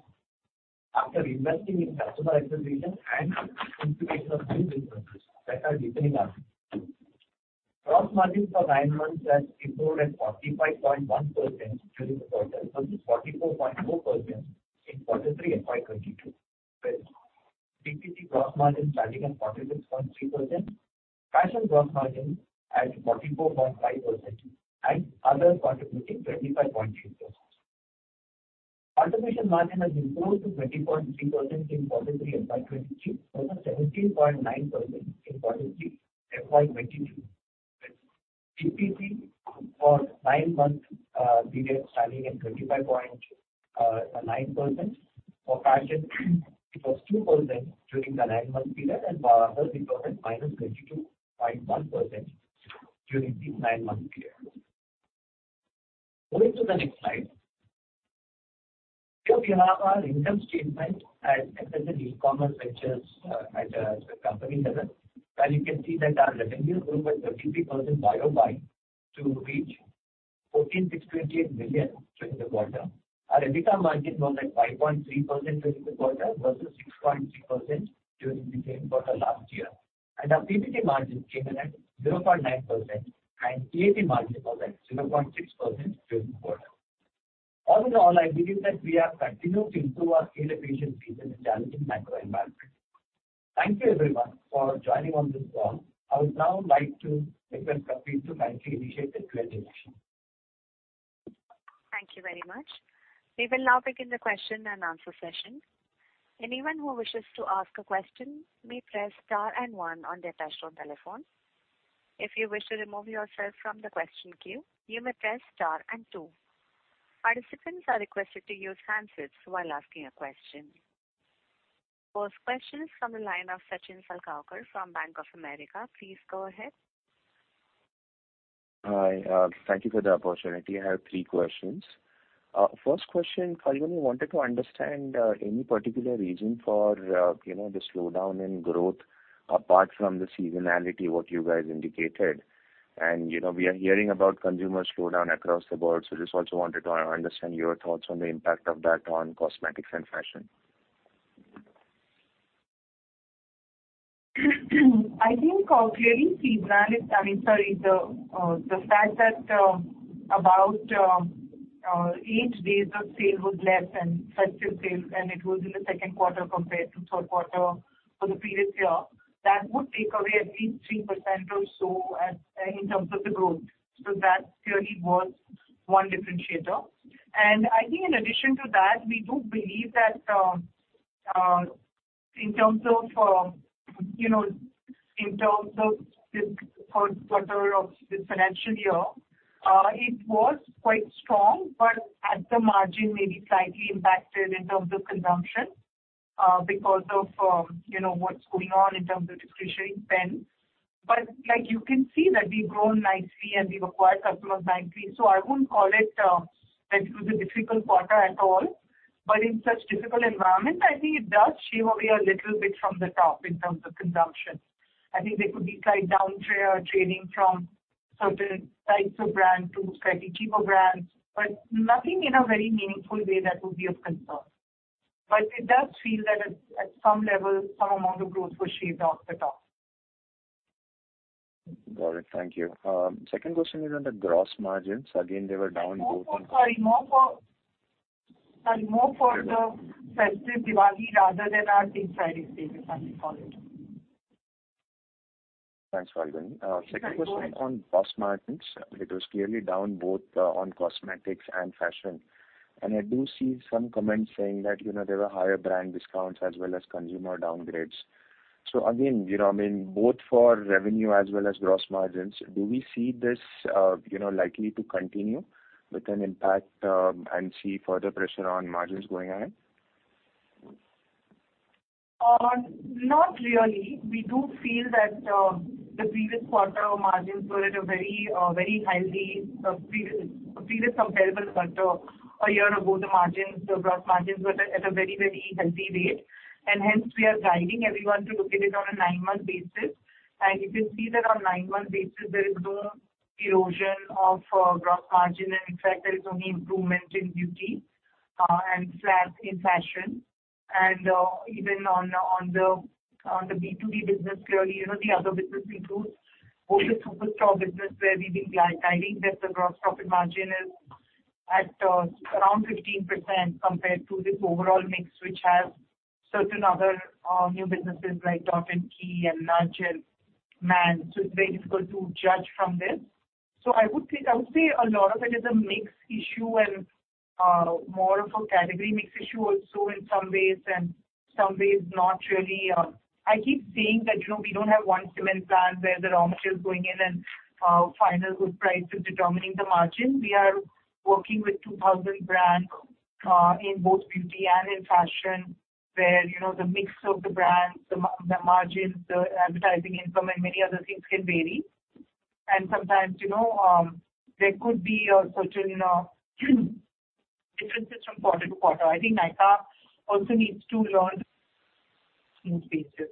after investing in customer acquisition and incubation of new businesses that are delivering outcomes. Gross margin for nine months has improved at 45.1% during the quarter versus 44.4% in quarter three FY 2022, with BPC gross margin standing at 46.3%, fashion gross margin at 44.5% and other contributing 25.6%. Contribution margin has improved to 20.3% in quarter three FY 2022 versus 17.9% in quarter three FY 2022, with BPC for nine-month period standing at 25.9%. For fashion it was 2% during the nine-month period. For others it was at -22.1% during the nine-month period. Moving to the next slide. Here we have our income statement as at the E-Commerce Ventures at a company level. You can see that our revenue grew at 33% year-over-year to reach 14.28 million during the quarter. Our EBITDA margin was at 5.3% during the quarter versus 6.3% during the same quarter last year. Our PBT margin came in at 0.9% and PAT margin was at 0.6% during the quarter. All in all, I believe that we have continued to improve our scale efficiency in a challenging macro environment. Thank you everyone for joining on this call. I would now like to request Prajeet to kindly initiate the Q&A session. Thank you very much. We will now begin the question and answer session. Anyone who wishes to ask a question may press star and one on their touch-tone telephone. If you wish to remove yourself from the question queue, you may press star and two. Participants are requested to use handsets while asking a question. First question is from the line of Sachin Salgaonkar from Bank of America. Please go ahead. Hi, thank you for the opportunity. I have three questions. First question, Falguni, I wanted to understand, any particular reason for, you know, the slowdown in growth apart from the seasonality, what you guys indicated. You know, we are hearing about consumer slowdown across the board, so just also wanted to understand your thoughts on the impact of that on cosmetics and fashion. I think, clearly seasonality, I mean, sorry, the fact that, about, eight days of sale was less and festive sales, and it was in the second quarter compared to third quarter for the previous year. That would take away at least 3% or so as, in terms of the growth. That clearly was one differentiator. I think in addition to that, we do believe that, in terms of, you know, in terms of the third quarter of this financial year, it was quite strong, but at the margin may be slightly impacted in terms of consumption, because of, you know, what's going on in terms of discretionary spend. Like you can see that we've grown nicely and we've acquired customers nicely. I wouldn't call it that it was a difficult quarter at all. In such difficult environment, I think it does shave away a little bit from the top in terms of consumption. I think there could be slight downturn or trading from certain types of brand to slightly cheaper brands, but nothing in a very meaningful way that would be of concern. It does feel that at some level, some amount of growth was shaved off the top. Got it. Thank you. Second question is on the gross margins. Again, they were down both in- Sorry, more for the festive Diwali rather than our team call it. Thanks, Falguni. You're very welcome. Second question on gross margins. It was clearly down both on cosmetics and fashion. I do see some comments saying that, you know, there were higher brand discounts as well as consumer downgrades. Again, you know, I mean, both for revenue as well as gross margins, do we see this, you know, likely to continue with an impact and see further pressure on margins going ahead? Not really. We do feel that the previous quarter our margins were at a very, very healthy previous comparable quarter. A year ago, the margins, the gross margins were at a very, very healthy rate, and hence we are guiding everyone to look at it on a nine-month basis. You can see that on nine-month basis there is no erosion of gross margin, and in fact there is only improvement in beauty and slag in fashion. Even on the B2B business clearly, you know, the other business includes both the Superstore business where we've been guiding that the gross profit margin is at around 15% compared to this overall mix, which has certain other new businesses like Dot & Key and Nykaa Man. It's very difficult to judge from this. I would say a lot of it is a mix issue and more of a category mix issue also in some ways and some ways not really. I keep saying that, you know, we don't have one cement plant where the raw material is going in and final good price is determining the margin. We are working with 2,000 brands in both beauty and in fashion, where, you know, the mix of the brands, the margins, the advertising income and many other things can vary. Sometimes, you know, there could be a certain differences from quarter to quarter. I think Nykaa also needs to learn in phases.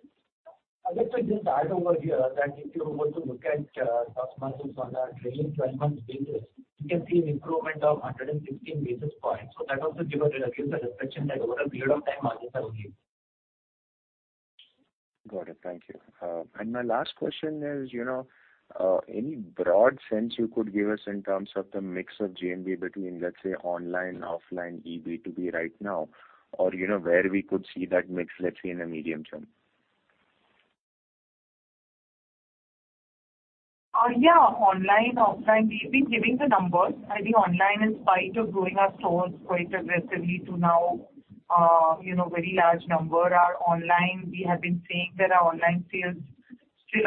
I'd like to just add over here that if you were to look at, first month on a trailing twelve-month basis, you can see an improvement of 115 basis points. That also gives a reflection that over a period of time margins are moving. Got it. Thank you. My last question is, you know, any broad sense you could give us in terms of the mix of GMV between, let's say, online, offline, eB2B right now? You know, where we could see that mix, let's say, in the medium term? Yeah. Online, offline, we've been giving the numbers. I think online, in spite of growing our stores quite aggressively to now, you know, very large number, our offline sales in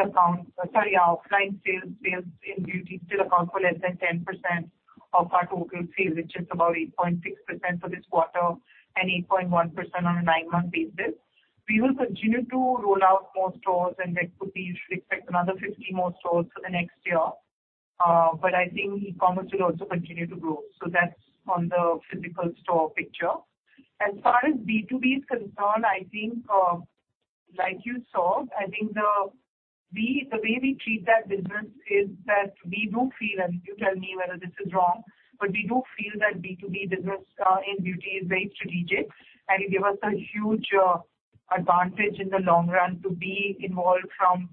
beauty still account for less than 10% of our total sales, which is about 8.6% for this quarter and 8.1% on a nine-month basis. We will continue to roll out more stores, and we could be expect another 50 more stores for the next year. I think e-commerce will also continue to grow. That's on the physical store picture. As far as B2B is concerned, I think, like you saw, I think. The way we treat that business is that we do feel, and you tell me whether this is wrong, but we do feel that B2B business in beauty is very strategic and it give us a huge advantage in the long run to be involved from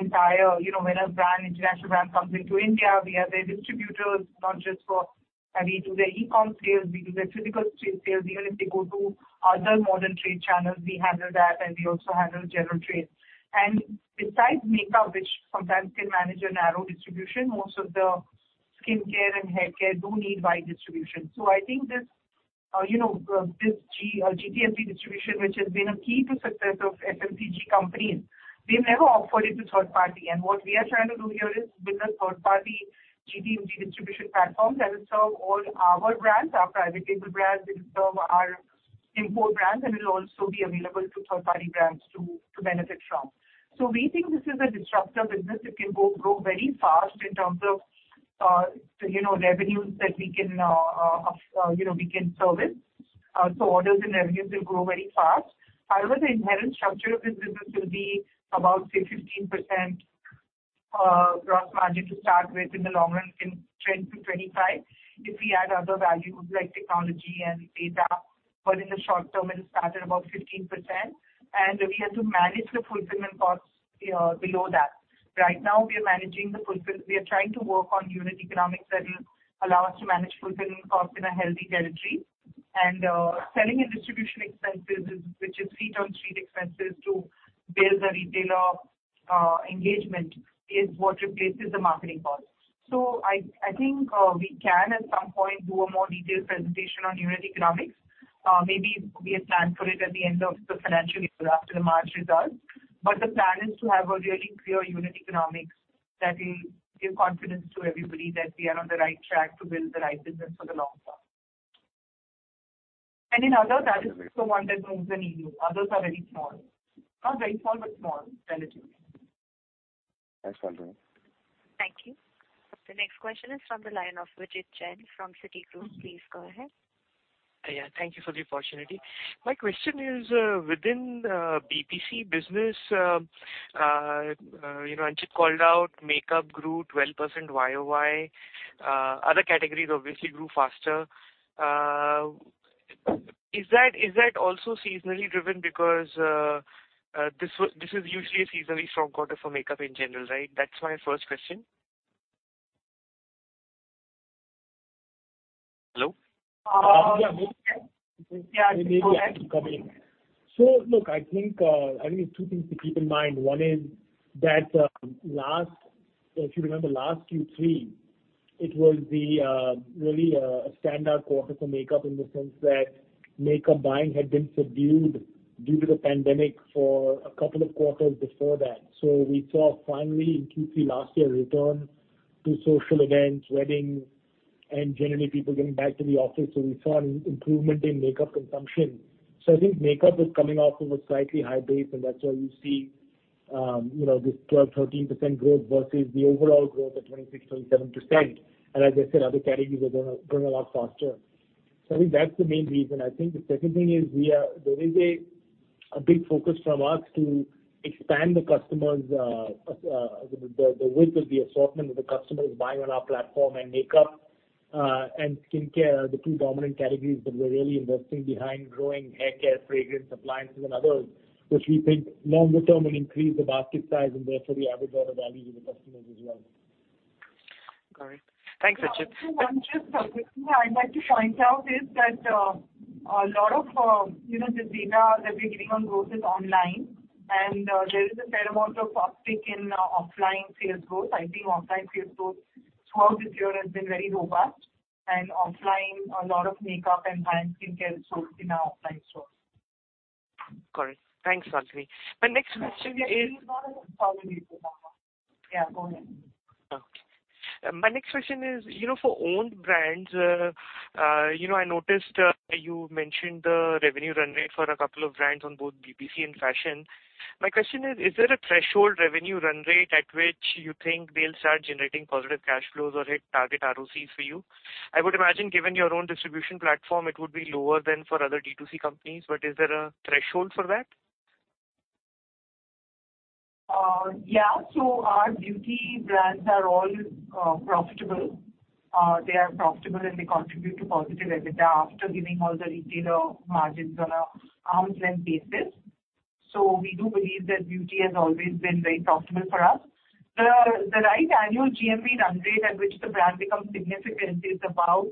entire, you know, when a brand, international brand comes into India, we are their distributors, not just for... We do their e-com sales, we do their physical sales. Even if they go to other modern trade channels, we handle that, and we also handle general trades. Besides makeup, which sometimes can manage a narrow distribution, most of the skincare and haircare do need wide distribution. I think this, you know, GT/MT distribution, which has been a key to success of FMCG companies, we've never offered it to third party. What we are trying to do here is build a third-party GT/MT distribution platform that will serve all our brands, our private label brands, it'll serve our import brands, and it'll also be available to third-party brands to benefit from. We think this is a disruptive business. It can grow very fast in terms of, you know, revenues that we can, you know, we can service. Orders and revenues will grow very fast. However, the inherent structure of this business will be about, say, 15% gross margin to start with in the long run in 2020-2025 if we add other value like technology and data. In the short term, it'll start at about 15%, and we have to manage the fulfillment costs below that. Right now we are managing the. We are trying to work on unit economics that will allow us to manage fulfillment costs in a healthy territory. Selling and distribution expenses is, which is seat-on-street expenses to build a retailer engagement is what replaces the marketing cost. I think we can at some point do a more detailed presentation on unit economics. Maybe we have planned for it at the end of the financial year after the March results. The plan is to have a really clear unit economics that will give confidence to everybody that we are on the right track to build the right business for the long term. In other value so one that grows in EU. Others are very small. Not very small, but small, relatively. Thanks, Falguni. Thank you. The next question is from the line of Vijit Jain from Citigroup. Please go ahead. Yeah, thank you for the opportunity. My question is, within BPC business, you know, Anchit called out makeup grew 12% YoY. Is that also seasonally driven? Because this is usually a seasonally strong quarter for makeup in general, right? That's my first question. Hello? Yeah. Look, I think, I think two things to keep in mind. One is that, if you remember last Q3, it was the really a standout quarter for makeup in the sense that makeup buying had been subdued due to the pandemic for two quarters before that. We saw finally in Q3 last year a return to social events, weddings, and generally people getting back to the office. I think makeup is coming off of a slightly high base, and that's why you see, you know, this 12%-13% growth versus the overall growth of 26%-27%. Like I said, other categories are growing a lot faster. I think that's the main reason. I think the second thing is there is a big focus from us to expand the customers', the width of the assortment that the customer is buying on our platform, and makeup and skincare are the two dominant categories that we're really investing behind growing haircare, fragrance, appliances and others, which we think long term will increase the basket size and therefore the average order value to the customers as well. Got it. Thanks, Anchit. One just quick thing I'd like to point out is that, a lot of, you know, the data that we're giving on growth is online, and there is a fair amount of uptick in offline sales growth. I think online sales growth throughout this year has been very robust, and offline a lot of makeup and high-end skincare is sold in our offline stores. Got it. Thanks, Falguni. My next question is. Yeah, go ahead. Okay. My next question is, you know, for own brands, you know, I noticed, you mentioned the revenue run rate for a couple of brands on both BPC and fashion. My question is there a threshold revenue run rate at which you think they'll start generating positive cash flows or hit target ROC for you? I would imagine given your own distribution platform it would be lower than for other D2C companies, but is there a threshold for that? Yeah. Our beauty brands are all profitable. They are profitable and they contribute to positive EBITDA after giving all the retailer margins on a arm's length basis. We do believe that beauty has always been very profitable for us. The right annual GMV run rate at which the brand becomes significant is about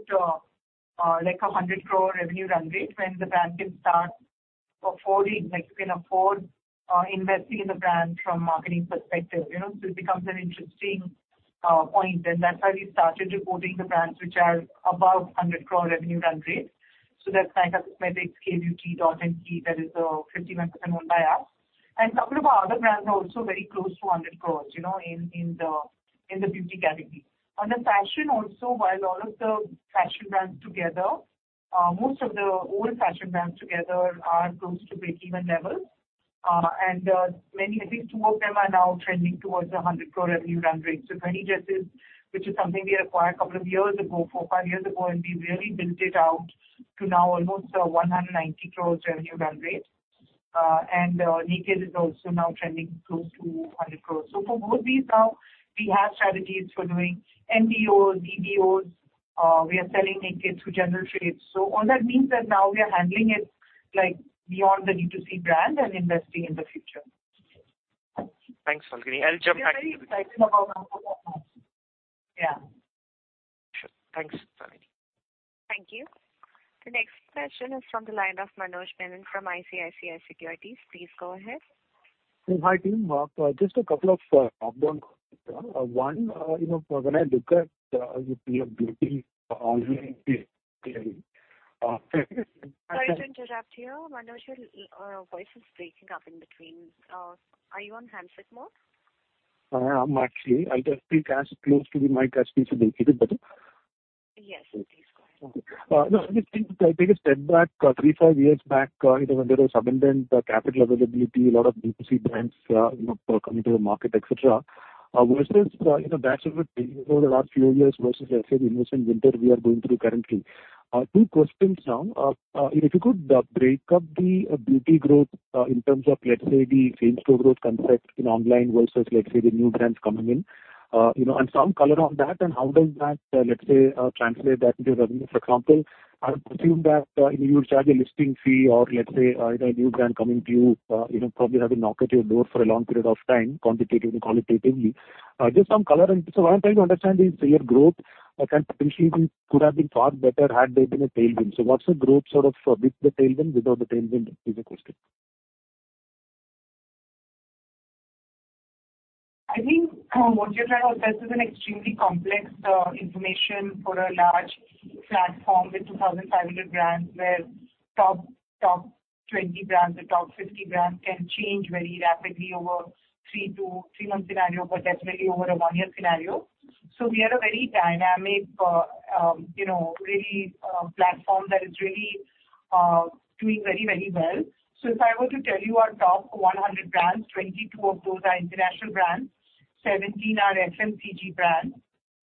like 100 crore revenue run rate when the brand can start affording, like you can afford investing in the brand from marketing perspective. You know, it becomes an interesting point, and that's why we started reporting the brands which are above 100 crore revenue run rate. That's Nykaa Cosmetics, Kay Beauty, Dot & Key, that is 51% owned by us. And couple of our other brands are also very close to 100 crore, you know, in the beauty category. Under fashion also, while all of the fashion brands together, most of the old fashion brands together are close to breakeven levels. I think two of them are now trending towards the 100 crore revenue run rate. Kay Beauty, which is something we acquired a couple of years ago, four, five years ago, and we really built it out to now almost a 190 crore revenue run rate. Nykd is also now trending close to 100 crore. For both these now we have strategies for doing NBOs, we are selling Nykd through general trades. All that means that now we are handling it like beyond the D2C brand and investing in the future. Thanks, Falguni. I'll jump back. We are very excited about Yeah. Sure. Thanks. Thank you. The next question is from the line of Manoj Menon from ICICI Securities. Please go ahead. Hi, team. Just a couple of add-on questions. One, you know, when I look at your tier beauty Sorry to interrupt you. Manoj, your voice is breaking up in between. Are you on handset mode? I'm actually. I'll just speak as close to the mic as possible. Is it better? Yes, please go ahead. Okay. No, I just think if I take a step back, three, five years back, you know, when there was abundant capital availability, a lot of B2C brands, you know, coming to the market, et cetera, versus, you know, that's what, you know, the last few years versus, let's say, the recent winter we are going through currently. Two questions now. If you could break up the beauty growth in terms of, let's say, the same store growth concept in online versus, let's say, the new brands coming in. You know, some color on that and how does that, let's say, translate that into revenue. For example, I would assume that, you would charge a listing fee or let's say, you know, a new brand coming to you know, probably having knocked at your door for a long period of time, quantitatively and qualitatively. Just some color. What I'm trying to understand is your growth, can potentially could have been far better had there been a tailwind. So what's the growth sort of with the tailwind, without the tailwind is the question. I think, what you're trying to assess is an extremely complex information for a large platform with 2,500 brands, where top 20 brands or top 50 brands can change very rapidly over a three-month scenario, but definitely over a one-year scenario. We are a very dynamic, you know, really platform that is really doing very, very well. If I were to tell you our top 100 brands, 22 of those are international brands, 17 are FMCG brands,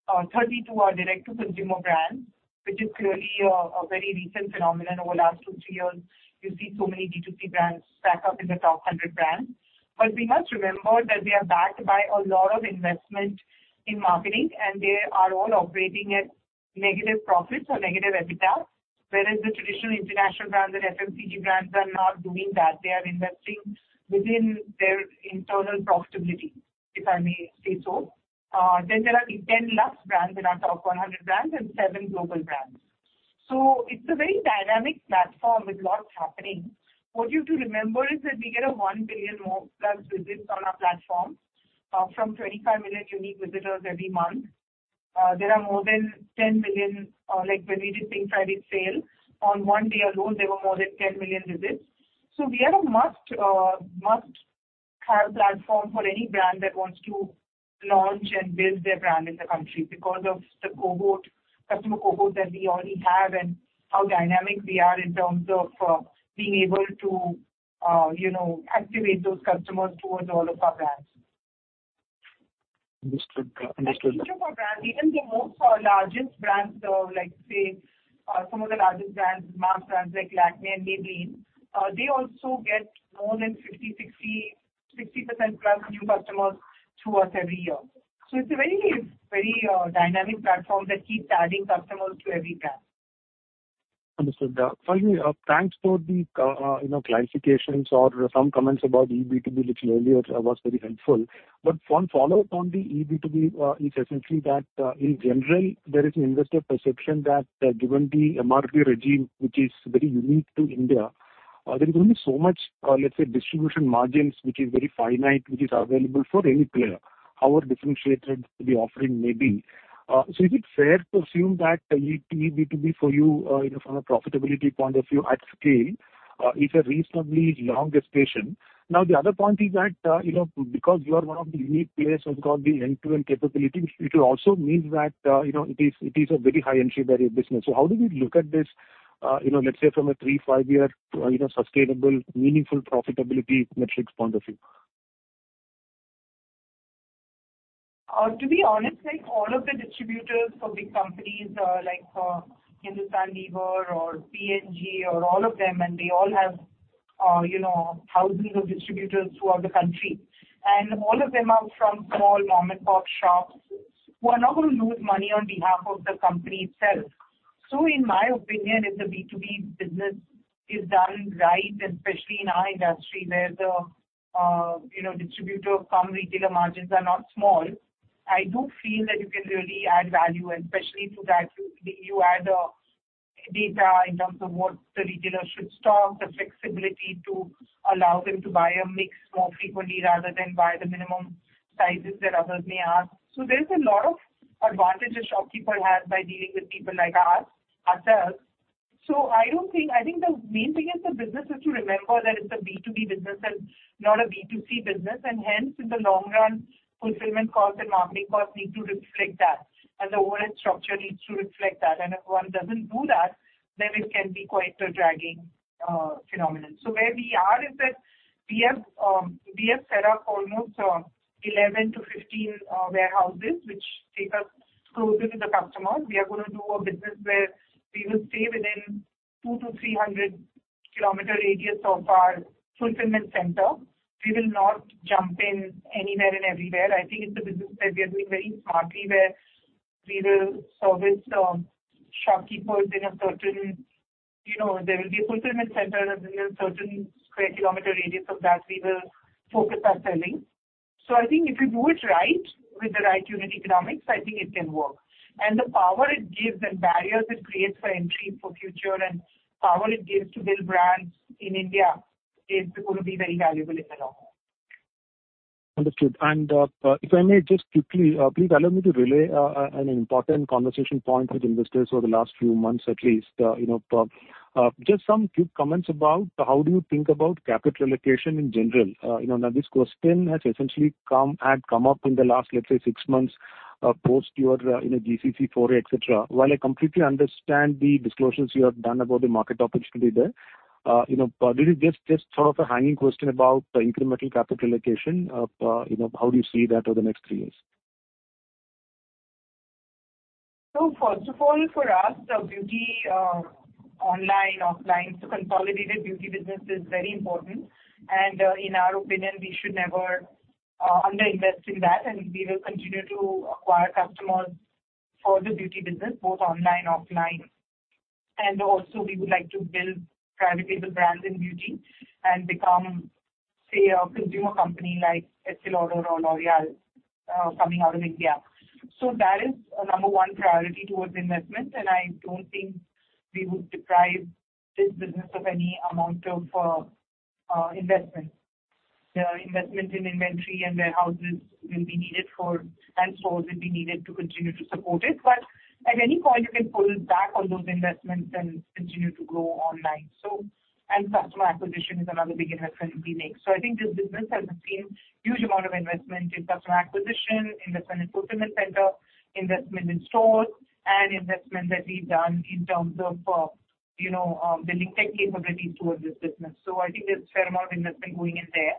32 are direct-to-consumer brands, which is clearly a very recent phenomenon over last two, three years. You see so many D2C brands stack up in the top 100 brands. We must remember that they are backed by a lot of investment in marketing, and they are all operating at negative profits or negative EBITDA, whereas the traditional international brands and FMCG brands are not doing that. They are investing within their internal profitability, if I may say so. Then there are the 10 Lux brands in our top 100 brands and seven global brands. It's a very dynamic platform with lots happening. What you have to remember is that we get a one billion-plus visits on our platform from 25 million unique visitors every month. Like, when we did Pink Friday Sale, on one day alone, there were more than 10 million visits. We are a must-have platform for any brand that wants to launch and build their brand in the country because of the cohort, customer cohort that we already have and how dynamic we are in terms of, being able to, you know, activate those customers towards all of our brands. Understood. Understood. Each of our brands, even the most largest brands, like, say, some of the largest brands, mass brands like Lakmé and Maybelline, they also get more than 50, 60%+ new customers to us every year. It's a very, very dynamic platform that keeps adding customers to every brand. Understood. Finally, thanks for the, you know, clarifications or some comments about eB2B little earlier. It was very helpful. One follow-up on the eB2B, is essentially that, in general, there is an investor perception that, given the MRP regime, which is very unique to India, there is only so much, let's say, distribution margins, which is very finite, which is available for any player, however differentiated the offering may be. Is it fair to assume that eB2B for you know, from a profitability point of view at scale, is a reasonably long gestation? The other point is that, you know, because you are one of the unique players who have got the end-to-end capability, it will also mean that, you know, it is a very high entry barrier business. How do we look at this, you know, let's say from a three, five-year, you know, sustainable, meaningful profitability metrics point of view? To be honest, like, all of the distributors for big companies, like, Hindustan Unilever or P&G or all of them, they all have, you know, thousands of distributors throughout the country, all of them are from small mom-and-pop shops who are not gonna lose money on behalf of the company itself. In my opinion, if the B2B business is done right, especially in our industry, where the, you know, distributor cum retailer margins are not small, I do feel that you can really add value, and especially to that you add data in terms of what the retailer should stock, the flexibility to allow them to buy a mix more frequently rather than buy the minimum sizes that others may ask. There's a lot of advantages shopkeeper has by dealing with people like us, ourselves. I don't think... The main thing is the business is to remember that it's a B2B business and not a B2C business. In the long run, fulfillment costs and marketing costs need to reflect that, and the overhead structure needs to reflect that. If one doesn't do that, it can be quite a dragging phenomenon. Where we are is that we have set up almost 11-15 warehouses which take us closer to the customer. We are gonna do a business where we will stay within 200-300 km radius of our fulfillment center. We will not jump in anywhere and everywhere. It's a business that we are doing very smartly, where we will service shopkeepers in a certain, you know. There will be a fulfillment center, and within a certain square kilometer radius of that we will focus our selling. I think if you do it right with the right unit economics, I think it can work. The power it gives and barriers it creates for entry for future and power it gives to build brands in India is gonna be very valuable in the long run. Understood. If I may just quickly, please allow me to relay an important conversation point with investors over the last few months, at least. You know, just some quick comments about how do you think about capital allocation in general? You know, now this question has essentially had come up in the last, let's say, six months, post your GCC foray, et cetera. While I completely understand the disclosures you have done about the market opportunity there, you know, there is just sort of a hanging question about incremental capital allocation. You know, how do you see that over the next three years? First of all, for us, the beauty, online, offline, consolidated beauty business is very important. In our opinion, we should never underinvest in that, and we will continue to acquire customers for the beauty business, both online and offline. Also we would like to build profitable brands in beauty and become, say, a consumer company like Estée Lauder or L'Oréal, coming out of India. That is a number one priority towards investment, and I don't think we would deprive this business of any amount of investment. Investment in inventory and warehouses and stores will be needed to continue to support it. At any point you can pull back on those investments and continue to grow online. Customer acquisition is another big investment we make. I think this business has seen huge amount of investment in customer acquisition, investment in fulfillment center, investment in stores, and investment that we've done in terms of, you know, building tech capabilities towards this business. I think there's a fair amount of investment going in there,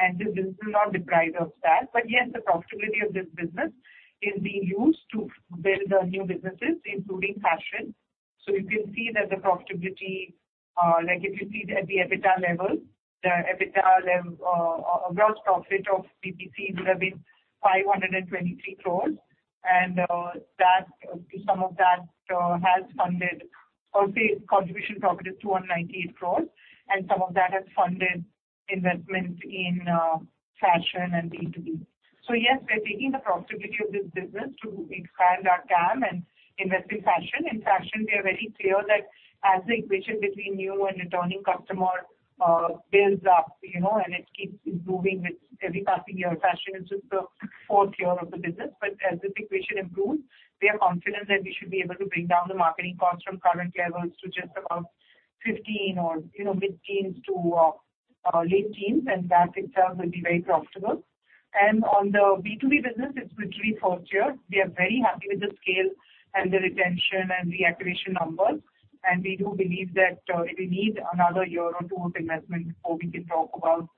and this business is not deprived of that. Yes, the profitability of this business is being used to build new businesses, including fashion. You can see that the profitability, like if you see at the EBITDA level, the EBITDA gross profit of BPC would have been 523 crores. That, some of that, has funded or say contribution profit is 298 crores, and some of that has funded investment in fashion and B2B. Yes, we are taking the profitability of this business to expand our TAM and invest in fashion. In fashion, we are very clear that as the equation between new and returning customer builds up, you know, and it keeps improving with every passing year. Fashion is just the fourth year of the business, but as this equation improves, we are confident that we should be able to bring down the marketing costs from current levels to just about 15 or, you know, mid-teens to late teens, and that itself will be very profitable. On the B2B business, it's literally fourth year. We are very happy with the scale and the retention and reactivation numbers. We do believe that it will need another year or two of investment before we can talk about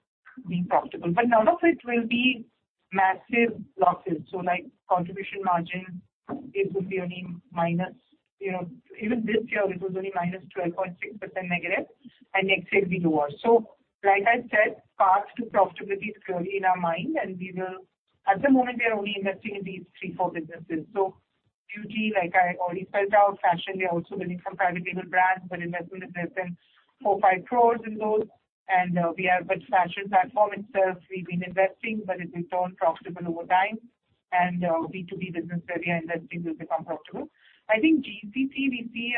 being profitable. None of it will be massive losses. Like contribution margin, it would be only minus, you know, even this year it was only minus 12.6% negative, and next year it'll be lower. Like I said, path to profitability is clearly in our mind, and at the moment we are only investing in these three, four businesses. Beauty, like I already spelled out. Fashion, we are also building some private label brands, but investment is less than 4, 5 crores in those. Fashion platform itself, we've been investing, but it will turn profitable over time, and B2B business where we are investing will become profitable. I think GCC we see.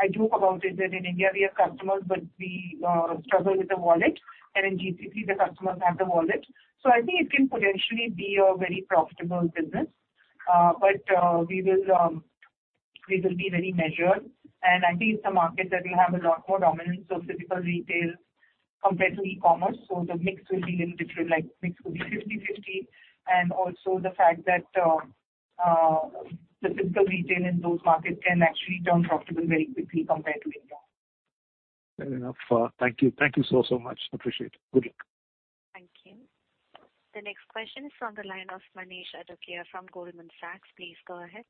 I joke about it that in India we have customers, but we struggle with the wallet, and in GCC the customers have the wallet. I think it can potentially be a very profitable business. We will be very measured, and I think it's a market that will have a lot more dominance of physical retail compared to e-commerce. The mix will be in different, like mix will be 50-50. Also the fact that the physical retail in those markets can actually turn profitable very quickly compared to India. Fair enough. Thank you. Thank you so much. Appreciate it. Good luck. Thank you. The next question is from the line of Manish Adukia from Goldman Sachs. Please go ahead.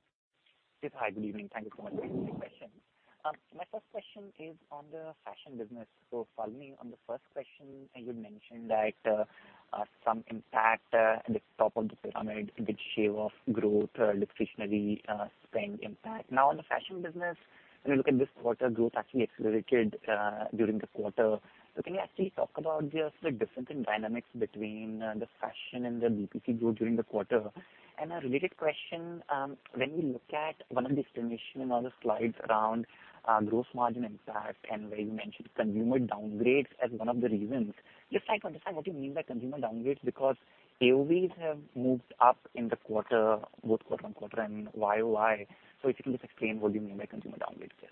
Yes. Hi, good evening. Thank you so much for taking the question. My first question is on the fashion business. Falguni, on the first question you mentioned that some impact at the top of the pyramid with shave of growth, discretionary spend impact. On the fashion business, when you look at this quarter growth actually accelerated during the quarter. Can you actually talk about just the difference in dynamics between the fashion and the BPC growth during the quarter? A related question, when we look at one of the explanation on the slides around gross margin impact and where you mentioned consumer downgrades as one of the reasons. Just trying to understand what you mean by consumer downgrades, because AOV have moved up in the quarter, both quarter-on-quarter and YoY. If you can just explain what you mean by consumer downgrades here?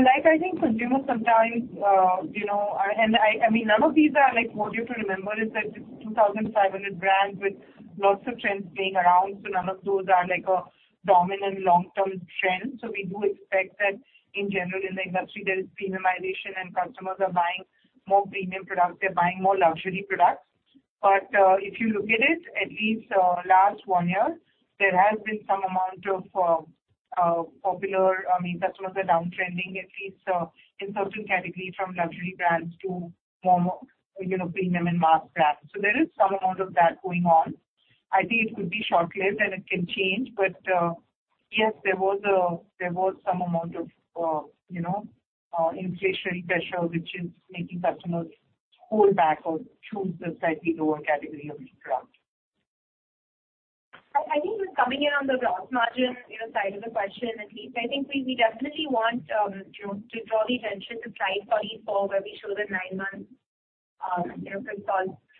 Like I think consumers sometimes, you know. I mean, none of these are like module to remember is that it's 2,500 brands with lots of trends playing around, none of those are like a dominant long-term trend. We do expect that in general in the industry there is premiumization and customers are buying more premium products, they're buying more luxury products. If you look at it, at least, last one year, there has been some amount of popular, I mean, customers are downtrending at least, in certain categories from luxury brands to more, you know, premium and mass brands. There is some amount of that going on. I think it could be short-lived and it can change. Yes, there was some amount of, you know, inflationary pressure which is making customers pull back or choose the slightly lower category of each product. I think just coming in on the gross margin, you know, side of the question at least. I think we definitely want, you know, to draw the attention to slide 44 where we show the nine months, you know,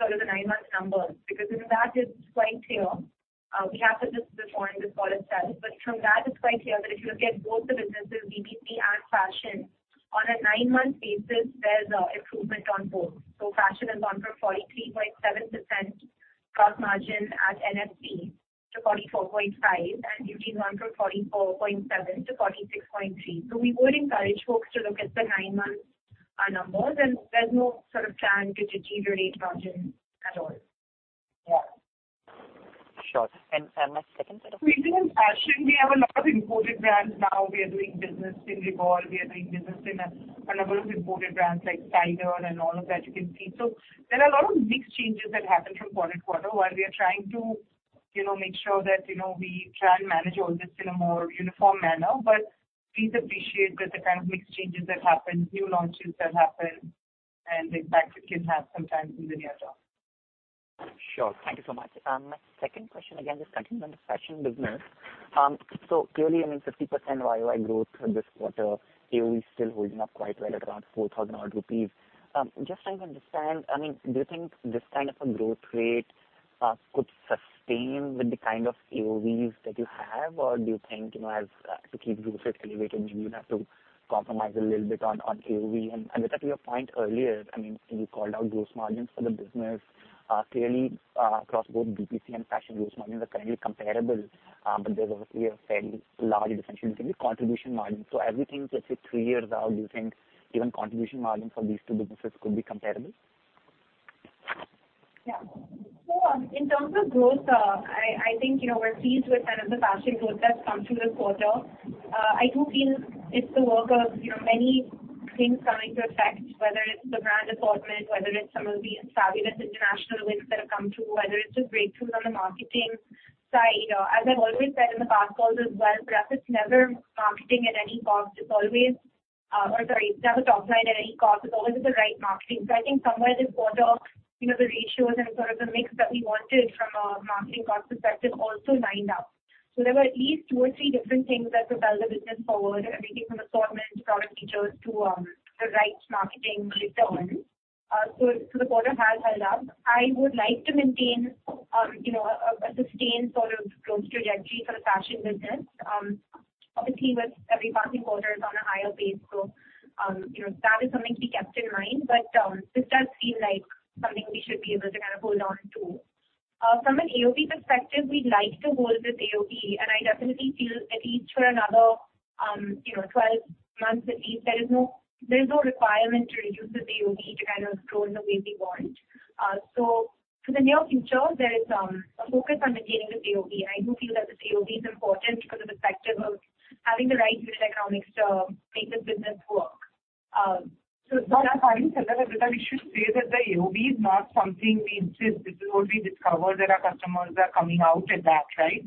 sort of the nine-month numbers, because in that it's quite clear. We have to just define this call itself. From that it's quite clear that if you look at both the businesses, BPC and fashion, on a nine-month basis there's a improvement on both. Fashion has gone from 43.7% gross margin at NFC to 44.5%, and beauty went from 44.7%-46.3%. We would encourage folks to look at the nine-month numbers, and there's no sort of plan to deteriorate margins at all. Yeah. Sure. my second Within fashion we have a lot of imported brands now. We are doing business in REVOLVE, we are doing business in a number of imported brands like Tiger and all of that you can see. There are a lot of mix changes that happen from quarter to quarter while we are trying to, you know, make sure that, you know, we try and manage all this in a more uniform manner. Please appreciate that the kind of mix changes that happen, new launches that happen and the impact it can have sometimes in the near term. Sure. Thank you so much. My second question again, just continuing on the fashion business. So clearly, I mean 50% YoY growth this quarter, AOV is still holding up quite well at around 4,000 rupees odd. Just trying to understand, I mean, do you think this kind of a growth rate could sustain with the kind of AOVs that you have? Or do you think, you know, as to keep growth rate elevated, maybe you'd have to compromise a little bit on AOV? Adwaita, to your point earlier, I mean, you called out gross margins for the business. Clearly, across both BPC and fashion, gross margins are currently comparable, but there's obviously a fairly large differential between the contribution margin. As we think let's say three years out, do you think given contribution margin for these two businesses could be comparable? Yeah. In terms of growth, I think, you know, we're pleased with kind of the fashion growth that's come through this quarter. I do feel it's the work of, you know, many things coming to effect, whether it's the brand assortment, whether it's some of the fabulous international wins that have come through, whether it's just breakthroughs on the marketing side. You know, as I've always said in the past calls as well, for us it's never marketing at any cost. It's always, or sorry, never top line at any cost. It's always the right marketing. I think somewhere this quarter, you know, the ratios and sort of the mix that we wanted from a marketing cost perspective also lined up. There were at least two or three different things that propelled the business forward, everything from assortment, product features, to the right marketing later on. The quarter has held up. I would like to maintain, you know, a sustained sort of growth trajectory for the fashion business. Obviously with every passing quarter is on a higher base, so, you know, that is something to be kept in mind. This does feel like something we should be able to kind of hold on to. From an AOV perspective, we'd like to hold this AOV, and I definitely feel at least for another, you know, 12 months at least, there is no requirement to reduce this AOV to kind of grow in the way we want. For the near future, there is a focus on maintaining this AOV, and I do feel that this AOV is important because of the factor of having the right unit economics to make this business work. I think, Adwaita, we should say that the AOV is not something we insist. This is what we discovered that our customers are coming out at that, right?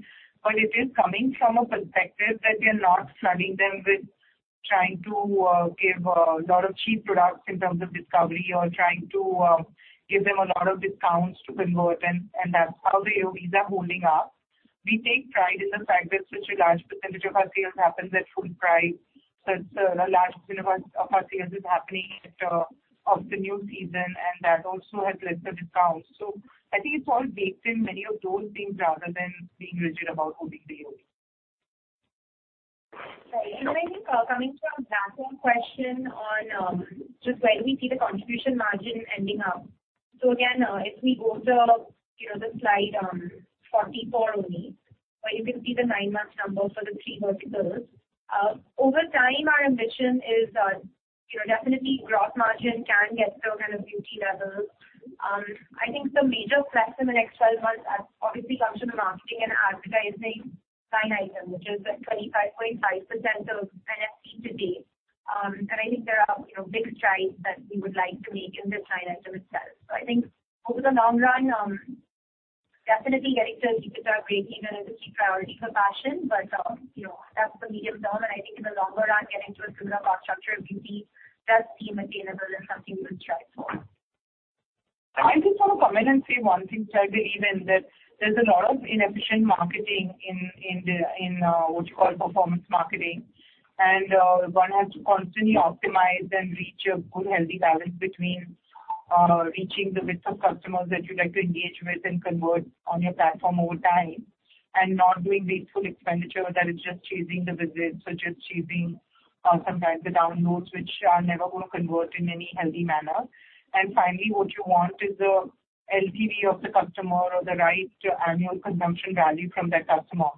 It is coming from a perspective that we are not flooding them with trying to give a lot of cheap products in terms of discovery or trying to give them a lot of discounts to convert and that's how the AOVs are holding up. We take pride in the fact that such a large % of our sales happens at full price, since a large % of our sales is happening off the new season, and that also has lesser discounts. I think it's all baked in many of those things rather than being rigid about holding the AOV. You know, I think, coming to our back-end question on, just where do we see the contribution margin ending up. Again, if we go to, you know, the slide 44 only, where you can see the nine-month numbers for the three verticals. Over time, our ambition is, you know, definitely gross margin can get to kind of Beauty levels. I think the major press in the next 12 months, obviously comes from the marketing and advertising line item, which is at 25.5% of NFV to date. I think there are, you know, big strides that we would like to make in this line item itself. I think over the long run, definitely getting to EBITDA breakeven is a key priority for Fashion. You know, that's the medium term, and I think in the longer run, getting to a similar cost structure of beauty does seem attainable and something we'll strive for. Can I just sort of come in and say one thing, which I believe in, that there's a lot of inefficient marketing in the, what you call performance marketing? One has to constantly optimize and reach a good, healthy balance between reaching the width of customers that you'd like to engage with and convert on your platform over time, and not doing wasteful expenditure that is just chasing the visits or just chasing sometimes the downloads which are never gonna convert in any healthy manner. Finally, what you want is the LTV of the customer or the right annual consumption value from that customer.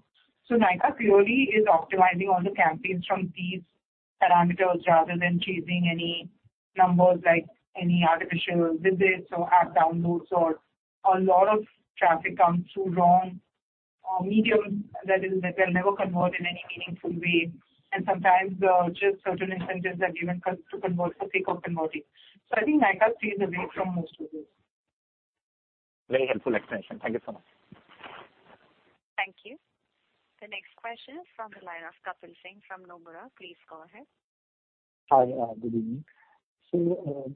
Nykaa purely is optimizing all the campaigns from these parameters rather than chasing any numbers like any artificial visits or app downloads or a lot of traffic comes through wrong mediums that is, that they'll never convert in any meaningful way. Sometimes just certain incentives are given to convert for sake of converting. I think Nykaa stays away from most of this. Very helpful explanation. Thank you so much. Thank you. The next question is from the line of Kapil Singh from Nomura. Please go ahead. Hi, good evening.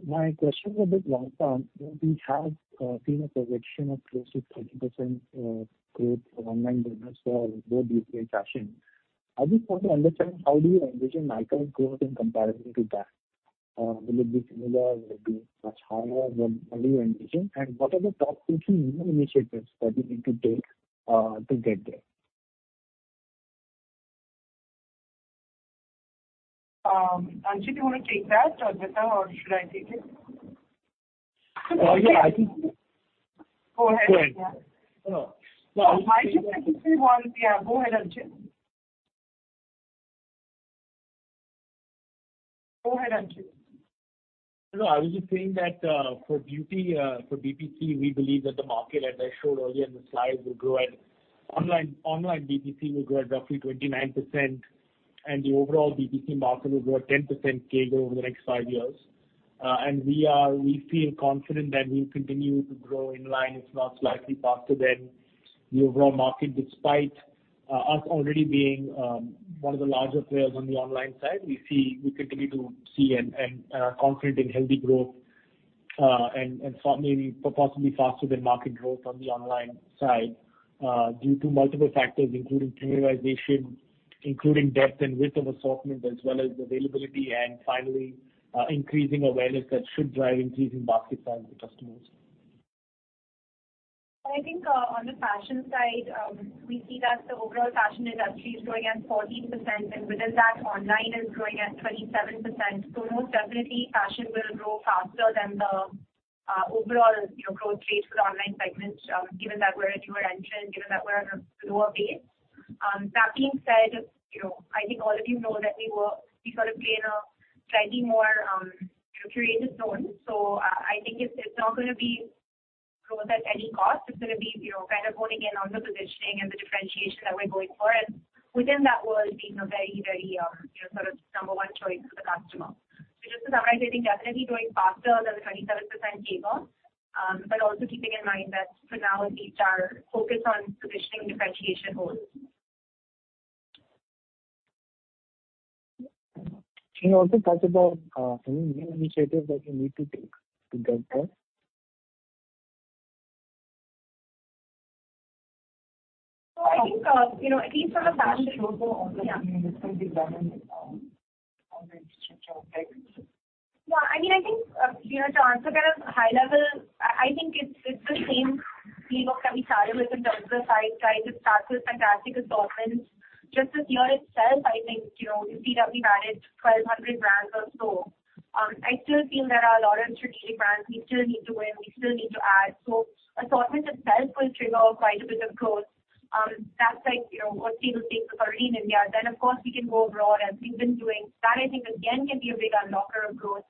My question is a bit long-term. We have seen a projection of close to 30% growth of online business for both beauty and fashion. I just want to understand how do you envision Nykaa growth in comparison to that? Will it be similar? Will it be much higher? What do you envision? What are the top two to three main initiatives that you need to take to get there? Anchit, do you wanna take that? Adwaita or should I take it? Yeah. Go ahead. Go ahead. No. Yeah, go ahead, Anchit. I was just saying that for beauty, for BPC, we believe that the market, as I showed earlier in the slides, will grow at online BPC will grow at roughly 29%, and the overall BPC market will grow at 10% CAGR over the next five years. We feel confident that we'll continue to grow in line, if not slightly faster than the overall market, despite us already being one of the larger players on the online side. We continue to see a confident and healthy growth, and maybe possibly faster than market growth on the online side, due to multiple factors, including premiumization, including depth and width of assortment, as well as availability. Finally, increasing awareness that should drive increasing basket size of the customers. I think, on the fashion side, we see that the overall fashion industry is growing at 14%, and within that online is growing at 27%. Most definitely fashion will grow faster than the overall, you know, growth rates for the online segment, given that we're a newer entrant, given that we're at a lower base. That being said, you know, I think all of you know that we sort of play in a slightly more, you know, curated zone. I think it's not gonna be growth at any cost. It's gonna be, you know, kind of honing in on the positioning and the differentiation that we're going for, and within that world being a very, very, you know, sort of number one choice for the customer. Just to summarize, I think definitely growing faster than the 27% CAGR, but also keeping in mind that for now at least our focus on positioning differentiation holds. Can you also talk about any new initiatives that you need to take to get there? I think, you know, Yeah. Yeah. I mean, I think, you know, to answer kind of high level, I think it's the same playbook that we started with in terms of, like, trying to start with fantastic assortments. Just this year itself, I think, you know, you see that we managed 1,200 brands or so. I still feel there are a lot of strategic brands we still need to win, we still need to add. Assortment itself will trigger quite a bit of growth. That's like, you know, what people think of already in India. Of course we can go abroad as we've been doing. That I think again can be a big unlocker of growth.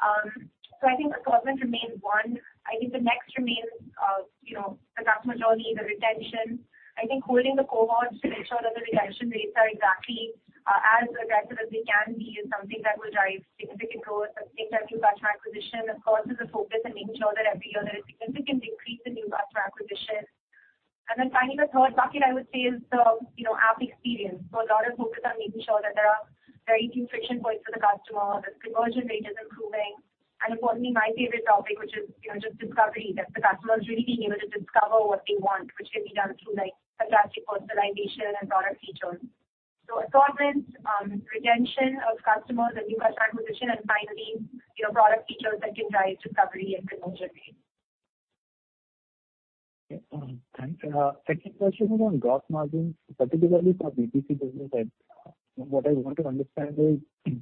I think assortment remains one. I think the next remains, you know, the customer journey, the retention. I think holding the cohorts to make sure that the retention rates are exactly as aggressive as they can be is something that will drive significant growth. I think our new customer acquisition of course is a focus and making sure that every year there is significant decrease in new customer acquisition. Finally, the third bucket I would say is the, you know, app experience. A lot of focus on making sure that there are very few friction points for the customer, the conversion rate is improving, and importantly my favorite topic which is, you know, just discovery, that the customers really being able to discover what they want, which can be done through like fantastic personalization and product features. Assortments, retention of customers and new customer acquisition, and finally, you know, product features that can drive discovery and conversion rate. Okay. Thanks. Second question is on gross margins, particularly for B2C business. What I want to understand is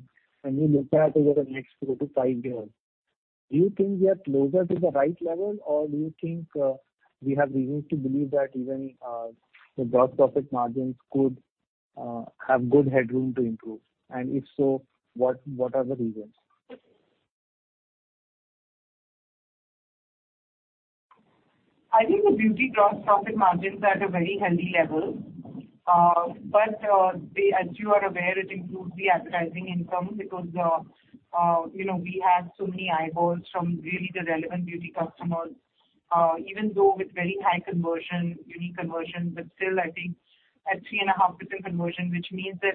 when you look ahead over the next sort of five years, do you think we are closer to the right level or do you think, we have reasons to believe that even, the gross profit margins could, have good headroom to improve? If so, what are the reasons? I think the beauty gross profit margins are at a very healthy level. As you are aware, it includes the advertising income because, you know, we have so many eyeballs from really the relevant beauty customers, even though with very high conversion, beauty conversion. Still I think at 3.5% conversion, which means that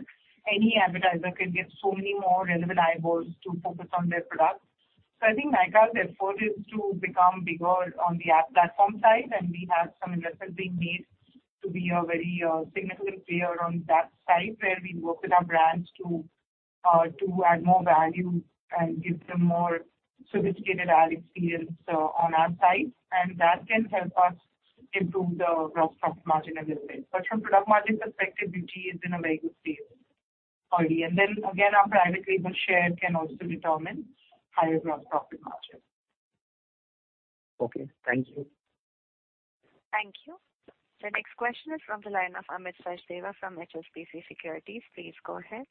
any advertiser can get so many more relevant eyeballs to focus on their product. I think Nykaa's effort is to become bigger on the app platform side, and we have some investment being made to be a very significant player on that side where we work with our brands to add more value and give them more sophisticated ad experience on our site, and that can help us improve the gross profit margin a little bit. From product margin perspective, beauty is in a very good space already. Our private label share can also determine higher gross profit margin. Okay. Thank you. Thank you. The next question is from the line of Amit Sachdeva from HSBC Securities. Please go ahead.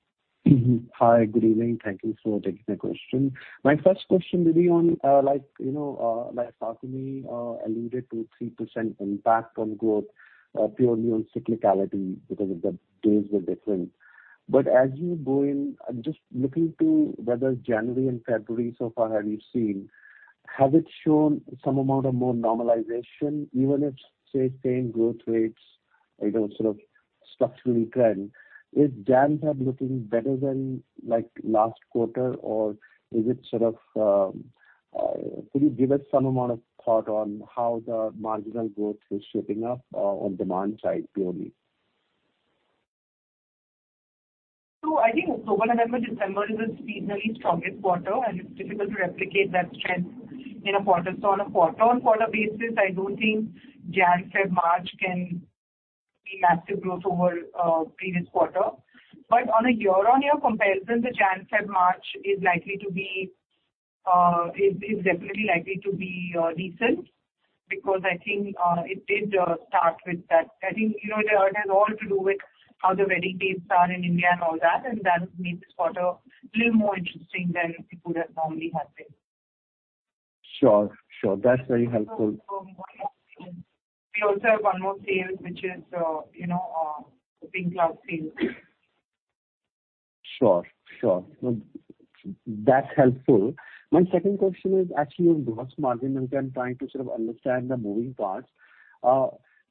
Hi. Good evening. Thank you for taking the question. My first question will be on, like, you know, like Falguni alluded to 3% impact on growth, purely on cyclicality because of the days were different. As you go in, just looking to whether January and February so far have you seen, has it shown some amount of more normalization even if, say, same growth rates, you know, sort of structurally trend, is Jan, Feb looking better than, like, last quarter or is it sort of? Could you give us some amount of thought on how the marginal growth is shaping up on demand side purely? I think October, November, December is the seasonally strongest quarter, and it's difficult to replicate that strength in a quarter. On a quarter-on-quarter basis, I don't think Jan, Feb, March can be massive growth over previous quarter. On a year-on-year comparison, the Jan, Feb, March is likely to be, is definitely likely to be decent because I think, it did start with that. I think, you know, it has all to do with how the wedding dates are in India and all that, and that made this quarter a little more interesting than it would have normally have been. Sure. Sure. That's very helpful. We also have one more sales, which is, you know, the Pink Love sales. Sure. Sure. That's helpful. My second question is actually on gross margin, and I'm trying to sort of understand the moving parts.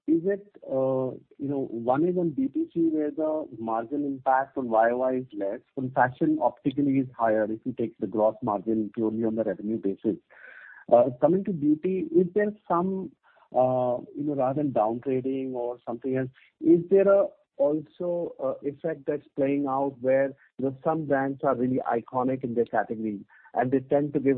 Is it, you know, one is on B2C, where the margin impact on YoY is less, from fashion optically is higher if you take the gross margin purely on the revenue basis. Coming to beauty, is there some, you know, rather than downgrading or something else, is there a also, effect that's playing out where, you know, some brands are really iconic in their category and they tend to give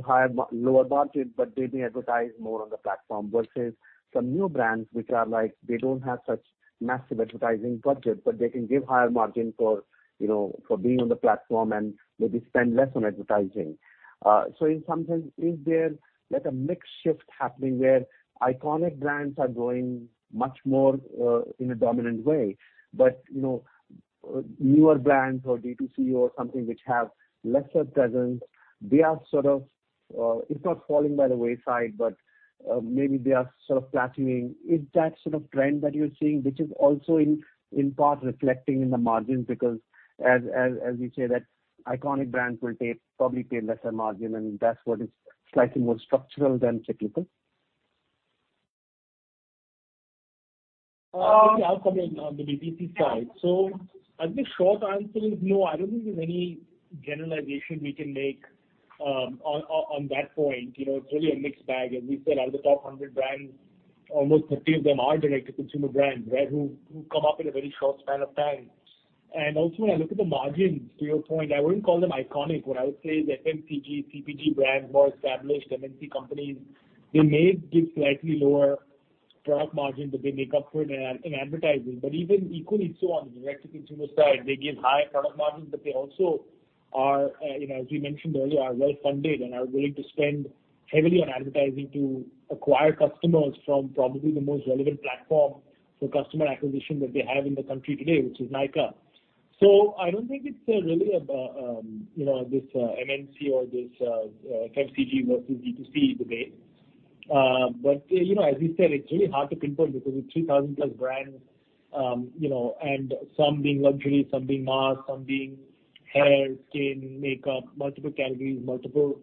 lower margin, but they may advertise more on the platform, versus some new brands which are like, they don't have such massive advertising budget, but they can give higher margin for, you know, for being on the platform and maybe spend less on advertising. In some sense, is there like a mix shift happening where iconic brands are growing much more in a dominant way, but, you know, newer brands or D2C or something which have lesser presence, they are sort of, it's not falling by the wayside, but, maybe they are sort of flattening. Is that sort of trend that you're seeing, which is also in part reflecting in the margins? As you say that iconic brands will probably pay lesser margin, and that's what is slightly more structural than cyclical. I'll comment on the D2C side. I think short answer is no, I don't think there's any generalization we can make on, on that point. You know, it's really a mixed bag. As we said, out of the top 100 brands, almost 50 of them are direct to consumer brands, right? Who come up in a very short span of time. When I look at the margins, to your point, I wouldn't call them iconic. What I would say is FMCG, CPG brands, more established MNC companies, they may give slightly lower product margin, but they make up for it in advertising. Even equally so on the direct to consumer side, they give higher product margins, but they also are, you know, as we mentioned earlier, are well funded and are willing to spend heavily on advertising to acquire customers from probably the most relevant platform for customer acquisition that they have in the country today, which is Nykaa. I don't think it's really a, you know, this MNC or this FMCG versus D2C debate. You know, as we said, it's really hard to pinpoint because with 3,000+ brands, you know, and some being luxury, some being mass, some being hair, skin, makeup, multiple categories, multiple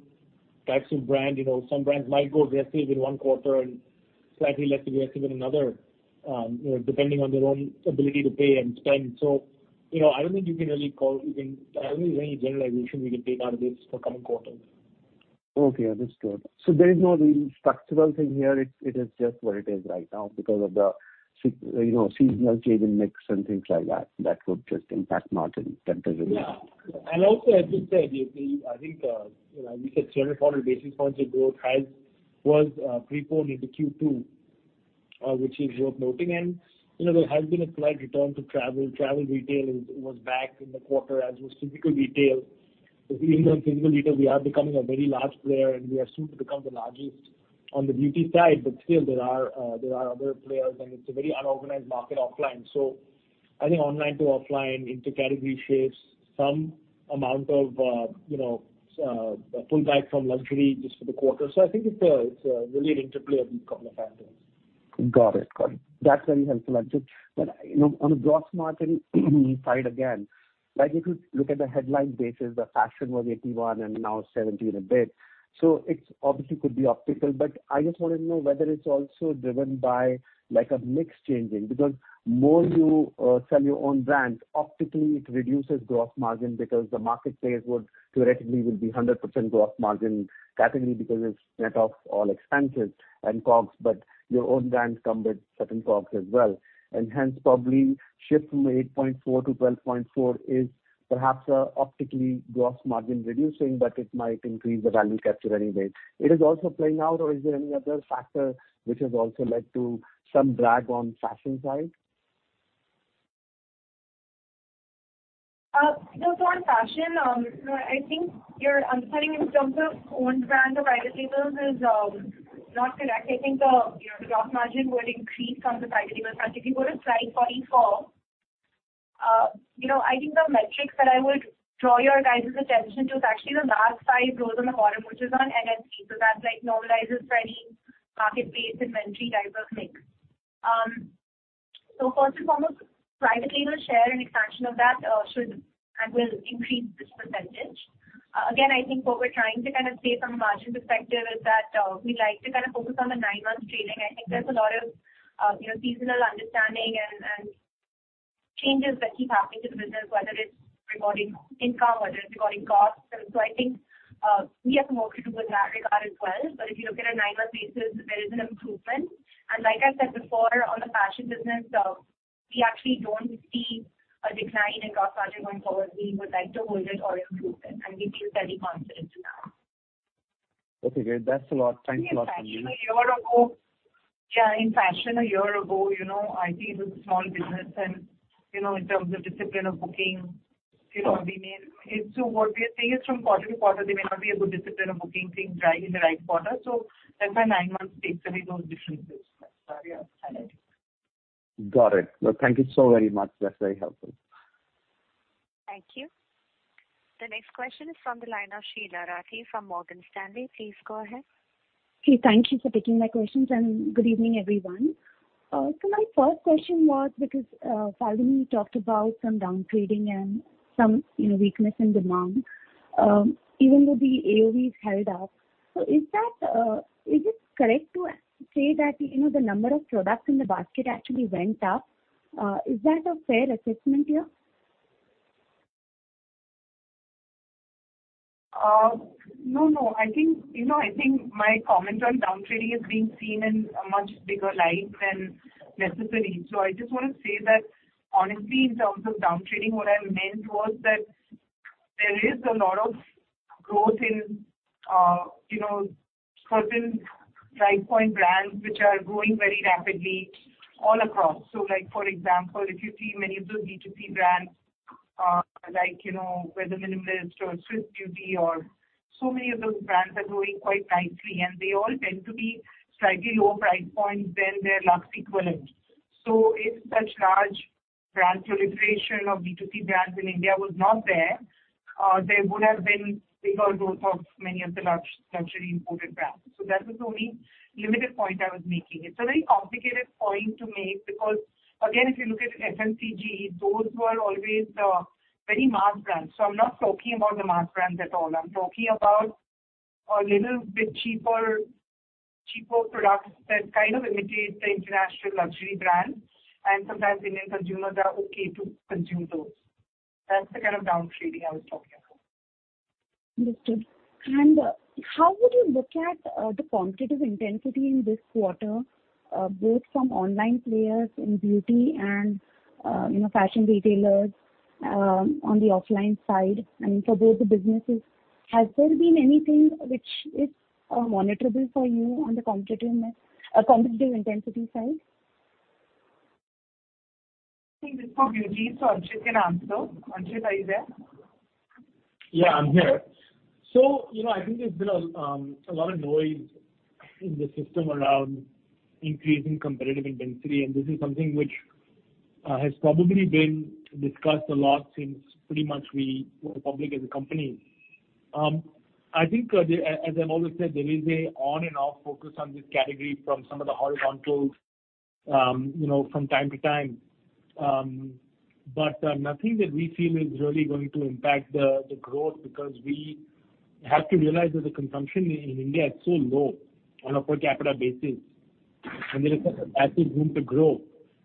types of brand, you know, some brands might go aggressive in one quarter and slightly less aggressive in another, you know, depending on their own ability to pay and spend. You know, I don't think there's any generalization we can take out of this for coming quarters. Okay, understood. There is no real structural thing here. It is just what it is right now because of the you know, seasonal change in mix and things like that would just impact margin temporarily. Yeah. Also, I think, you know, we said 700 basis points of growth was preponed into Q2, which is worth noting. You know, there has been a slight return to travel. Travel retail was back in the quarter, as was typical retail. If we look on physical retail, we are becoming a very large player, and we are soon to become the largest on the beauty side. Still there are other players, and it's a very unorganized market offline. I think online to offline, inter-category shifts, some amount of, you know, a pull back from luxury just for the quarter. I think it's a really interplay of these couple of factors. Got it. Got it. That's very helpful, Anchit. You know, on a gross margin side, again, like if you look at the headline basis, the fashion was 81% and now 70 and a bit, so it's obviously could be optical. I just wanted to know whether it's also driven by like a mix changing. Because more you sell your own brands, optically it reduces gross margin because the market players would theoretically will be 100% gross margin category because it's net of all expenses and COGS, but your own brands come with certain COGS as well. Hence probably shift from 8.4-12.4 is perhaps optically gross margin reducing, but it might increase the value capture anyway. It is also playing out or is there any other factor which has also led to some drag on fashion side? For fashion, I think your understanding in terms of own brand or private labels is not correct. I think the, you know, the gross margin would increase from the private label. Actually, if you go to slide 44, you know, I think the metrics that I would draw your guidance's attention to is actually the last five rows on the bottom, which is on NNC. That, like, normalizes for any market-based inventory type of things. First and foremost, private label share and expansion of that should and will increase this percentage. Again, I think what we're trying to kind of say from a margin perspective is that we like to kind of focus on the nine-month trailing. I think there's a lot of, you know, seasonal understanding and changes that keep happening to the business, whether it's regarding income, whether it's regarding costs. I think we have some work to do with that regard as well. If you look at a nine-month basis, there is an improvement. Like I said before, on the fashion business, we actually don't see a decline in gross margin going forward. We would like to hold it or improve it, and we feel very confident in that. Okay, great. That's a lot. Thanks a lot, Anchit. In fashion a year ago. Yeah, in fashion a year ago, you know, IT was a small business, and, you know, in terms of discipline of booking, you know. What we are seeing is from quarter-to-quarter, there may not be a good discipline of booking things dry in the right quarter. By nine months takes away those differences. That's why we are highlighting. Got it. No, thank you so very much. That's very helpful. Thank you. The next question is from the line of Sheela Rathi from Morgan Stanley. Please go ahead. Hey, thank you for taking my questions, and good evening, everyone. My first question was because Falguni talked about some down-trading and some, you know, weakness in demand, even though the AOV has held up. Is that, is it correct to say that, you know, the number of products in the basket actually went up? Is that a fair assessment here? No, no. I think, you know, I think my comment on down-trading is being seen in a much bigger light than necessary. I just wanna say that honestly, in terms of down-trading, what I meant was that there is a lot of growth in, you know, certain price point brands which are growing very rapidly all across. For example, if you see many of those D2C brands, like, you know, whether Minimalist or Swiss Beauty or Many of those brands are growing quite nicely, and they all tend to be slightly lower price points than their luxe equivalent. If such large brand proliferation of B2C brands in India was not there would have been bigger growth of many of the luxury imported brands. That was the only limited point I was making. It's a very complicated point to make because again, if you look at FMCG, those who are always the very mass brands. I'm not talking about the mass brands at all. I'm talking about a little bit cheaper products that kind of imitate the international luxury brands, and sometimes Indian consumers are okay to consume those. That's the kind of down trading I was talking about. Understood. How would you look at the competitive intensity in this quarter, both from online players in beauty and, you know, fashion retailers on the offline side and for both the businesses. Has there been anything which is monitorable for you on the competitive intensity side? I think it's for beauty. Anchit can answer. Anchit, are you there? Yeah, I'm here. You know, I think there's been a lot of noise in the system around increasing competitive intensity, and this is something which has probably been discussed a lot since pretty much we went public as a company. I think, as I've always said, there is a on and off focus on this category from some of the horizontals, you know, from time to time. But, nothing that we feel is really going to impact the growth because we have to realize that the consumption in India is so low on a per capita basis, and there is massive room to grow.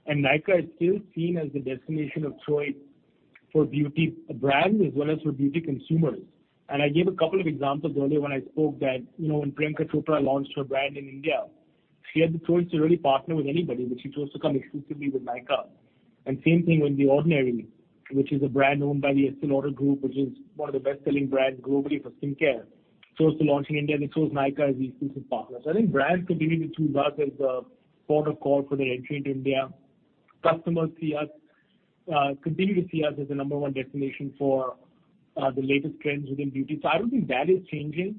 Nykaa is still seen as the destination of choice for beauty brands as well as for beauty consumers. I gave a couple of examples earlier when I spoke that, you know, when Priyanka Chopra launched her brand in India, she had the choice to really partner with anybody, but she chose to come exclusively with Nykaa. Same thing with The Ordinary, which is a brand owned by the Estée Lauder Companies, which is one of the best-selling brands globally for skincare. Chose to launch in India, they chose Nykaa as the exclusive partner. I think brands continue to choose us as the port of call for their entry into India. Customers see us continue to see us as the number one destination for the latest trends within beauty. I don't think that is changing.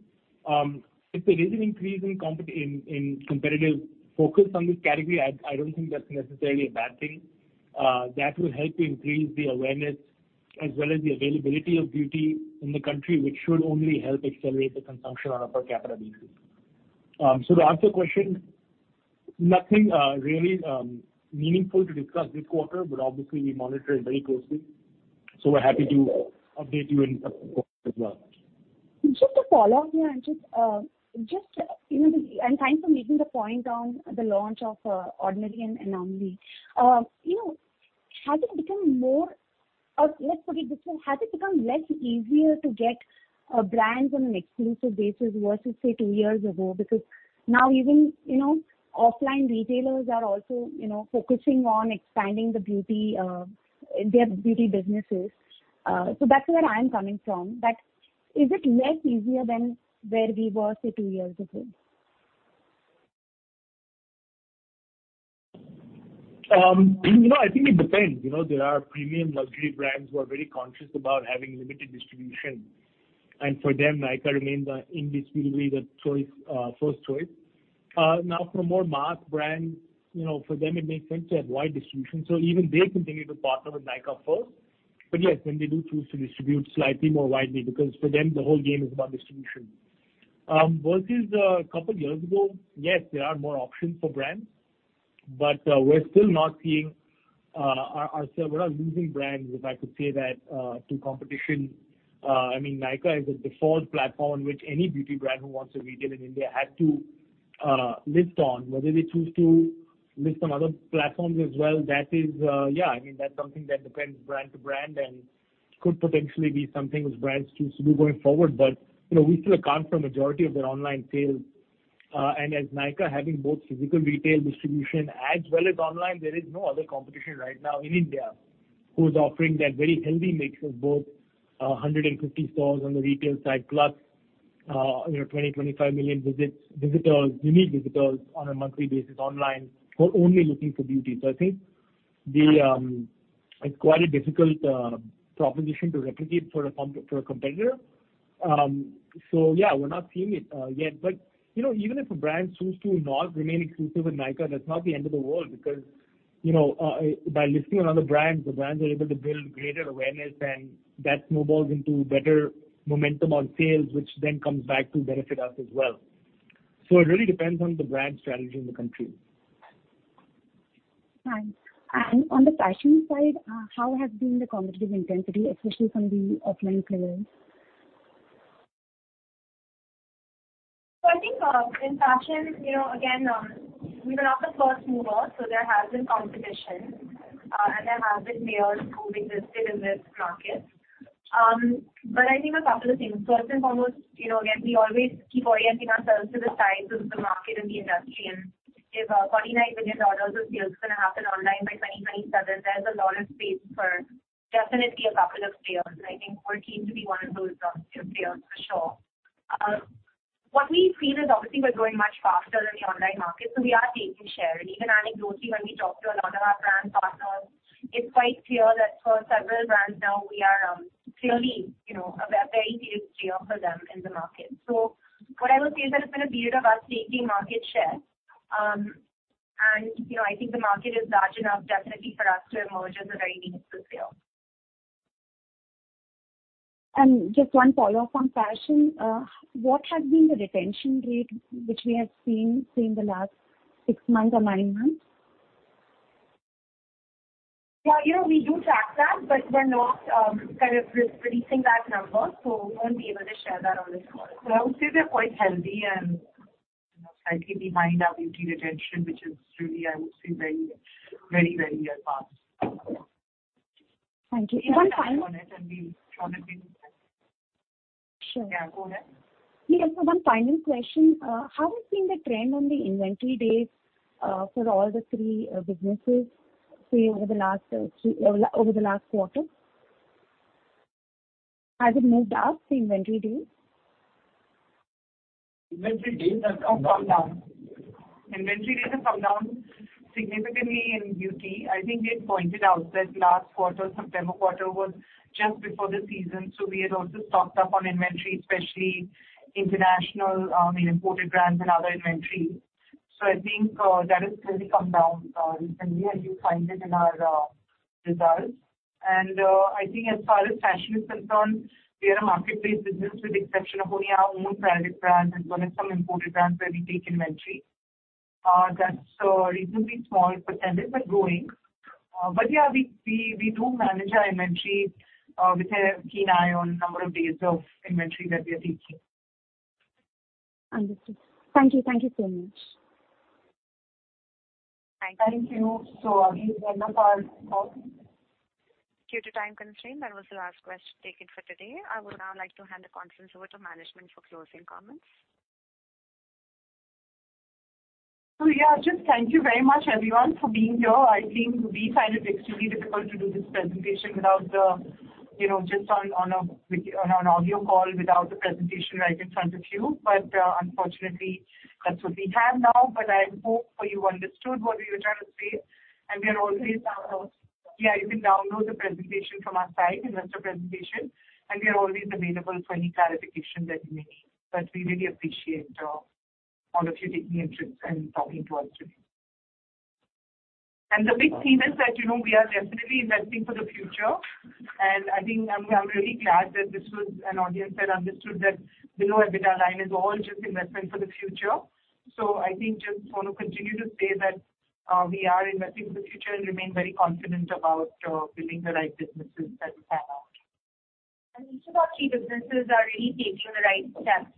If there is an increase in competitive focus on this category, I don't think that's necessarily a bad thing. That will help increase the awareness as well as the availability of beauty in the country, which should only help accelerate the consumption on a per capita basis. To answer your question, nothing really meaningful to discuss this quarter, but obviously we monitor it very closely. We're happy to update you in subsequent quarters as well. Just a follow-up here, Anchit. Just, you know, Thanks for making the point on the launch of Ordinary and NIOD. You know, let's put it this way: Has it become less easier to get brands on an exclusive basis versus, say, two years ago? Because now even, you know, offline retailers are also, you know, focusing on expanding the beauty, their beauty businesses. That's where I'm coming from. Is it less easier than where we were, say, two years ago? You know, I think it depends. You know, there are premium luxury brands who are very conscious about having limited distribution, and for them, Nykaa remains the indisputably the choice, first choice. Now for more mass brands, you know, for them it makes sense to have wide distribution, so even they continue to partner with Nykaa first. Yes, then they do choose to distribute slightly more widely, because for them the whole game is about distribution. Versus a couple of years ago, yes, there are more options for brands, but we're still not seeing our... We're not losing brands, if I could say that, to competition. I mean, Nykaa is a default platform which any beauty brand who wants to retail in India has to list on. Whether they choose to list on other platforms as well, that is, I mean, that's something that depends brand to brand and could potentially be something which brands choose to do going forward. You know, we still account for a majority of their online sales. As Nykaa having both physical retail distribution as well as online, there is no other competition right now in India who's offering that very healthy mix of both, 150 stores on the retail side, plus, you know, 20-25 million unique visitors on a monthly basis online who are only looking for beauty. I think the It's quite a difficult proposition to replicate for a competitor. Yeah, we're not seeing it yet. You know, even if a brand choose to not remain exclusive with Nykaa, that's not the end of the world because, you know, by listing on other brands, the brands are able to build greater awareness and that snowballs into better momentum on sales, which then comes back to benefit us as well. It really depends on the brand strategy in the country. Thanks. On the fashion side, how has been the competitive intensity, especially from the offline players? I think, in fashion, you know, again, we were not the first mover, so there has been competition, and there have been players who've existed in this market. I think a couple of things. First and foremost, you know, again, we always keep orienting ourselves to the size of the market and the industry. If, $49 billion of sales is gonna happen online by 2027, there's a lot of space for definitely a couple of players. I think we're keen to be one of those, few players for sure. What we feel is obviously we're growing much faster than the online market, so we are taking share. Even anecdotally, when we talk to a lot of our brand partners, it's quite clear that for several brands now we are, clearly, you know, a very, very serious player for them in the market. What I would say is that it's been a period of us taking market share. You know, I think the market is large enough definitely for us to emerge as a very meaningful scale. Just one follow-up on fashion. What has been the retention rate which we have seen, say, in the last six months or nine months? You know, we do track that, but we're not kind of re-releasing that number, so we won't be able to share that on this call. I would say they're quite healthy and, you know, slightly behind our beauty retention, which is really, I would say, very at par. Thank you. One final- We probably Sure. Yeah, go ahead. Yeah. One final question. How has been the trend on the inventory days, for all the three businesses, say, over the last quarter? Has it moved up, the inventory days? Inventory days have come down. Inventory days have come down significantly in beauty. I think it pointed out that last quarter, September quarter, was just before the season, so we had also stocked up on inventory, especially international, imported brands and other inventory. I think that has really come down recently, and you find it in our results. I think as far as fashion is concerned, we are a market-based business with the exception of only our own private brand and one and some imported brands where we take inventory. That's a reasonably small percentage, but growing. Yeah, we do manage our inventory with a keen eye on number of days of inventory that we are taking. Understood. Thank you. Thank you so much. Thank you. Thank you. Abhi, is that all calls? Due to time constraint, that was the last question taken for today. I would now like to hand the conference over to management for closing comments. Yeah, just thank you very much everyone for being here. I think we find it extremely difficult to do this presentation without, you know, just on an audio call without the presentation right in front of you. Unfortunately that's what we have now. I hope you understood what we were trying to say. We are always. Download. Yeah, you can download the presentation from our site, investor presentation, we are always available for any clarification that you may need. We really appreciate all of you taking interest and talking to us today. The big theme is that, you know, we are definitely investing for the future, and I think I'm really glad that this was an audience that understood that below EBITDA line is all just investment for the future. I think just want to continue to say that we are investing for the future and remain very confident about building the right businesses that we set out. Each of our key businesses are really taking the right steps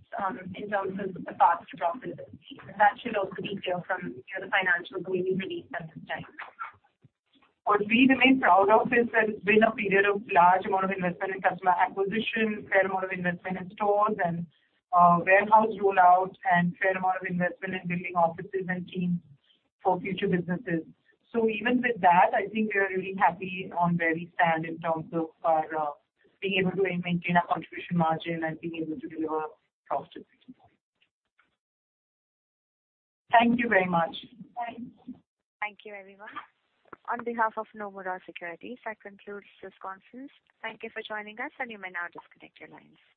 in terms of the path to profitability. That should also be clear from, you know, the financials that we released at this time. What we remain proud of is that it's been a period of large amount of investment in customer acquisition, fair amount of investment in stores, and warehouse rollout, and fair amount of investment in building offices and teams for future businesses. Even with that, I think we are really happy on where we stand in terms of our being able to maintain our contribution margin and being able to deliver profit to shareholders. Thank you very much. Thanks. Thank you everyone. On behalf of Nomura Securities, that concludes this conference. Thank you for joining us, and you may now disconnect your lines.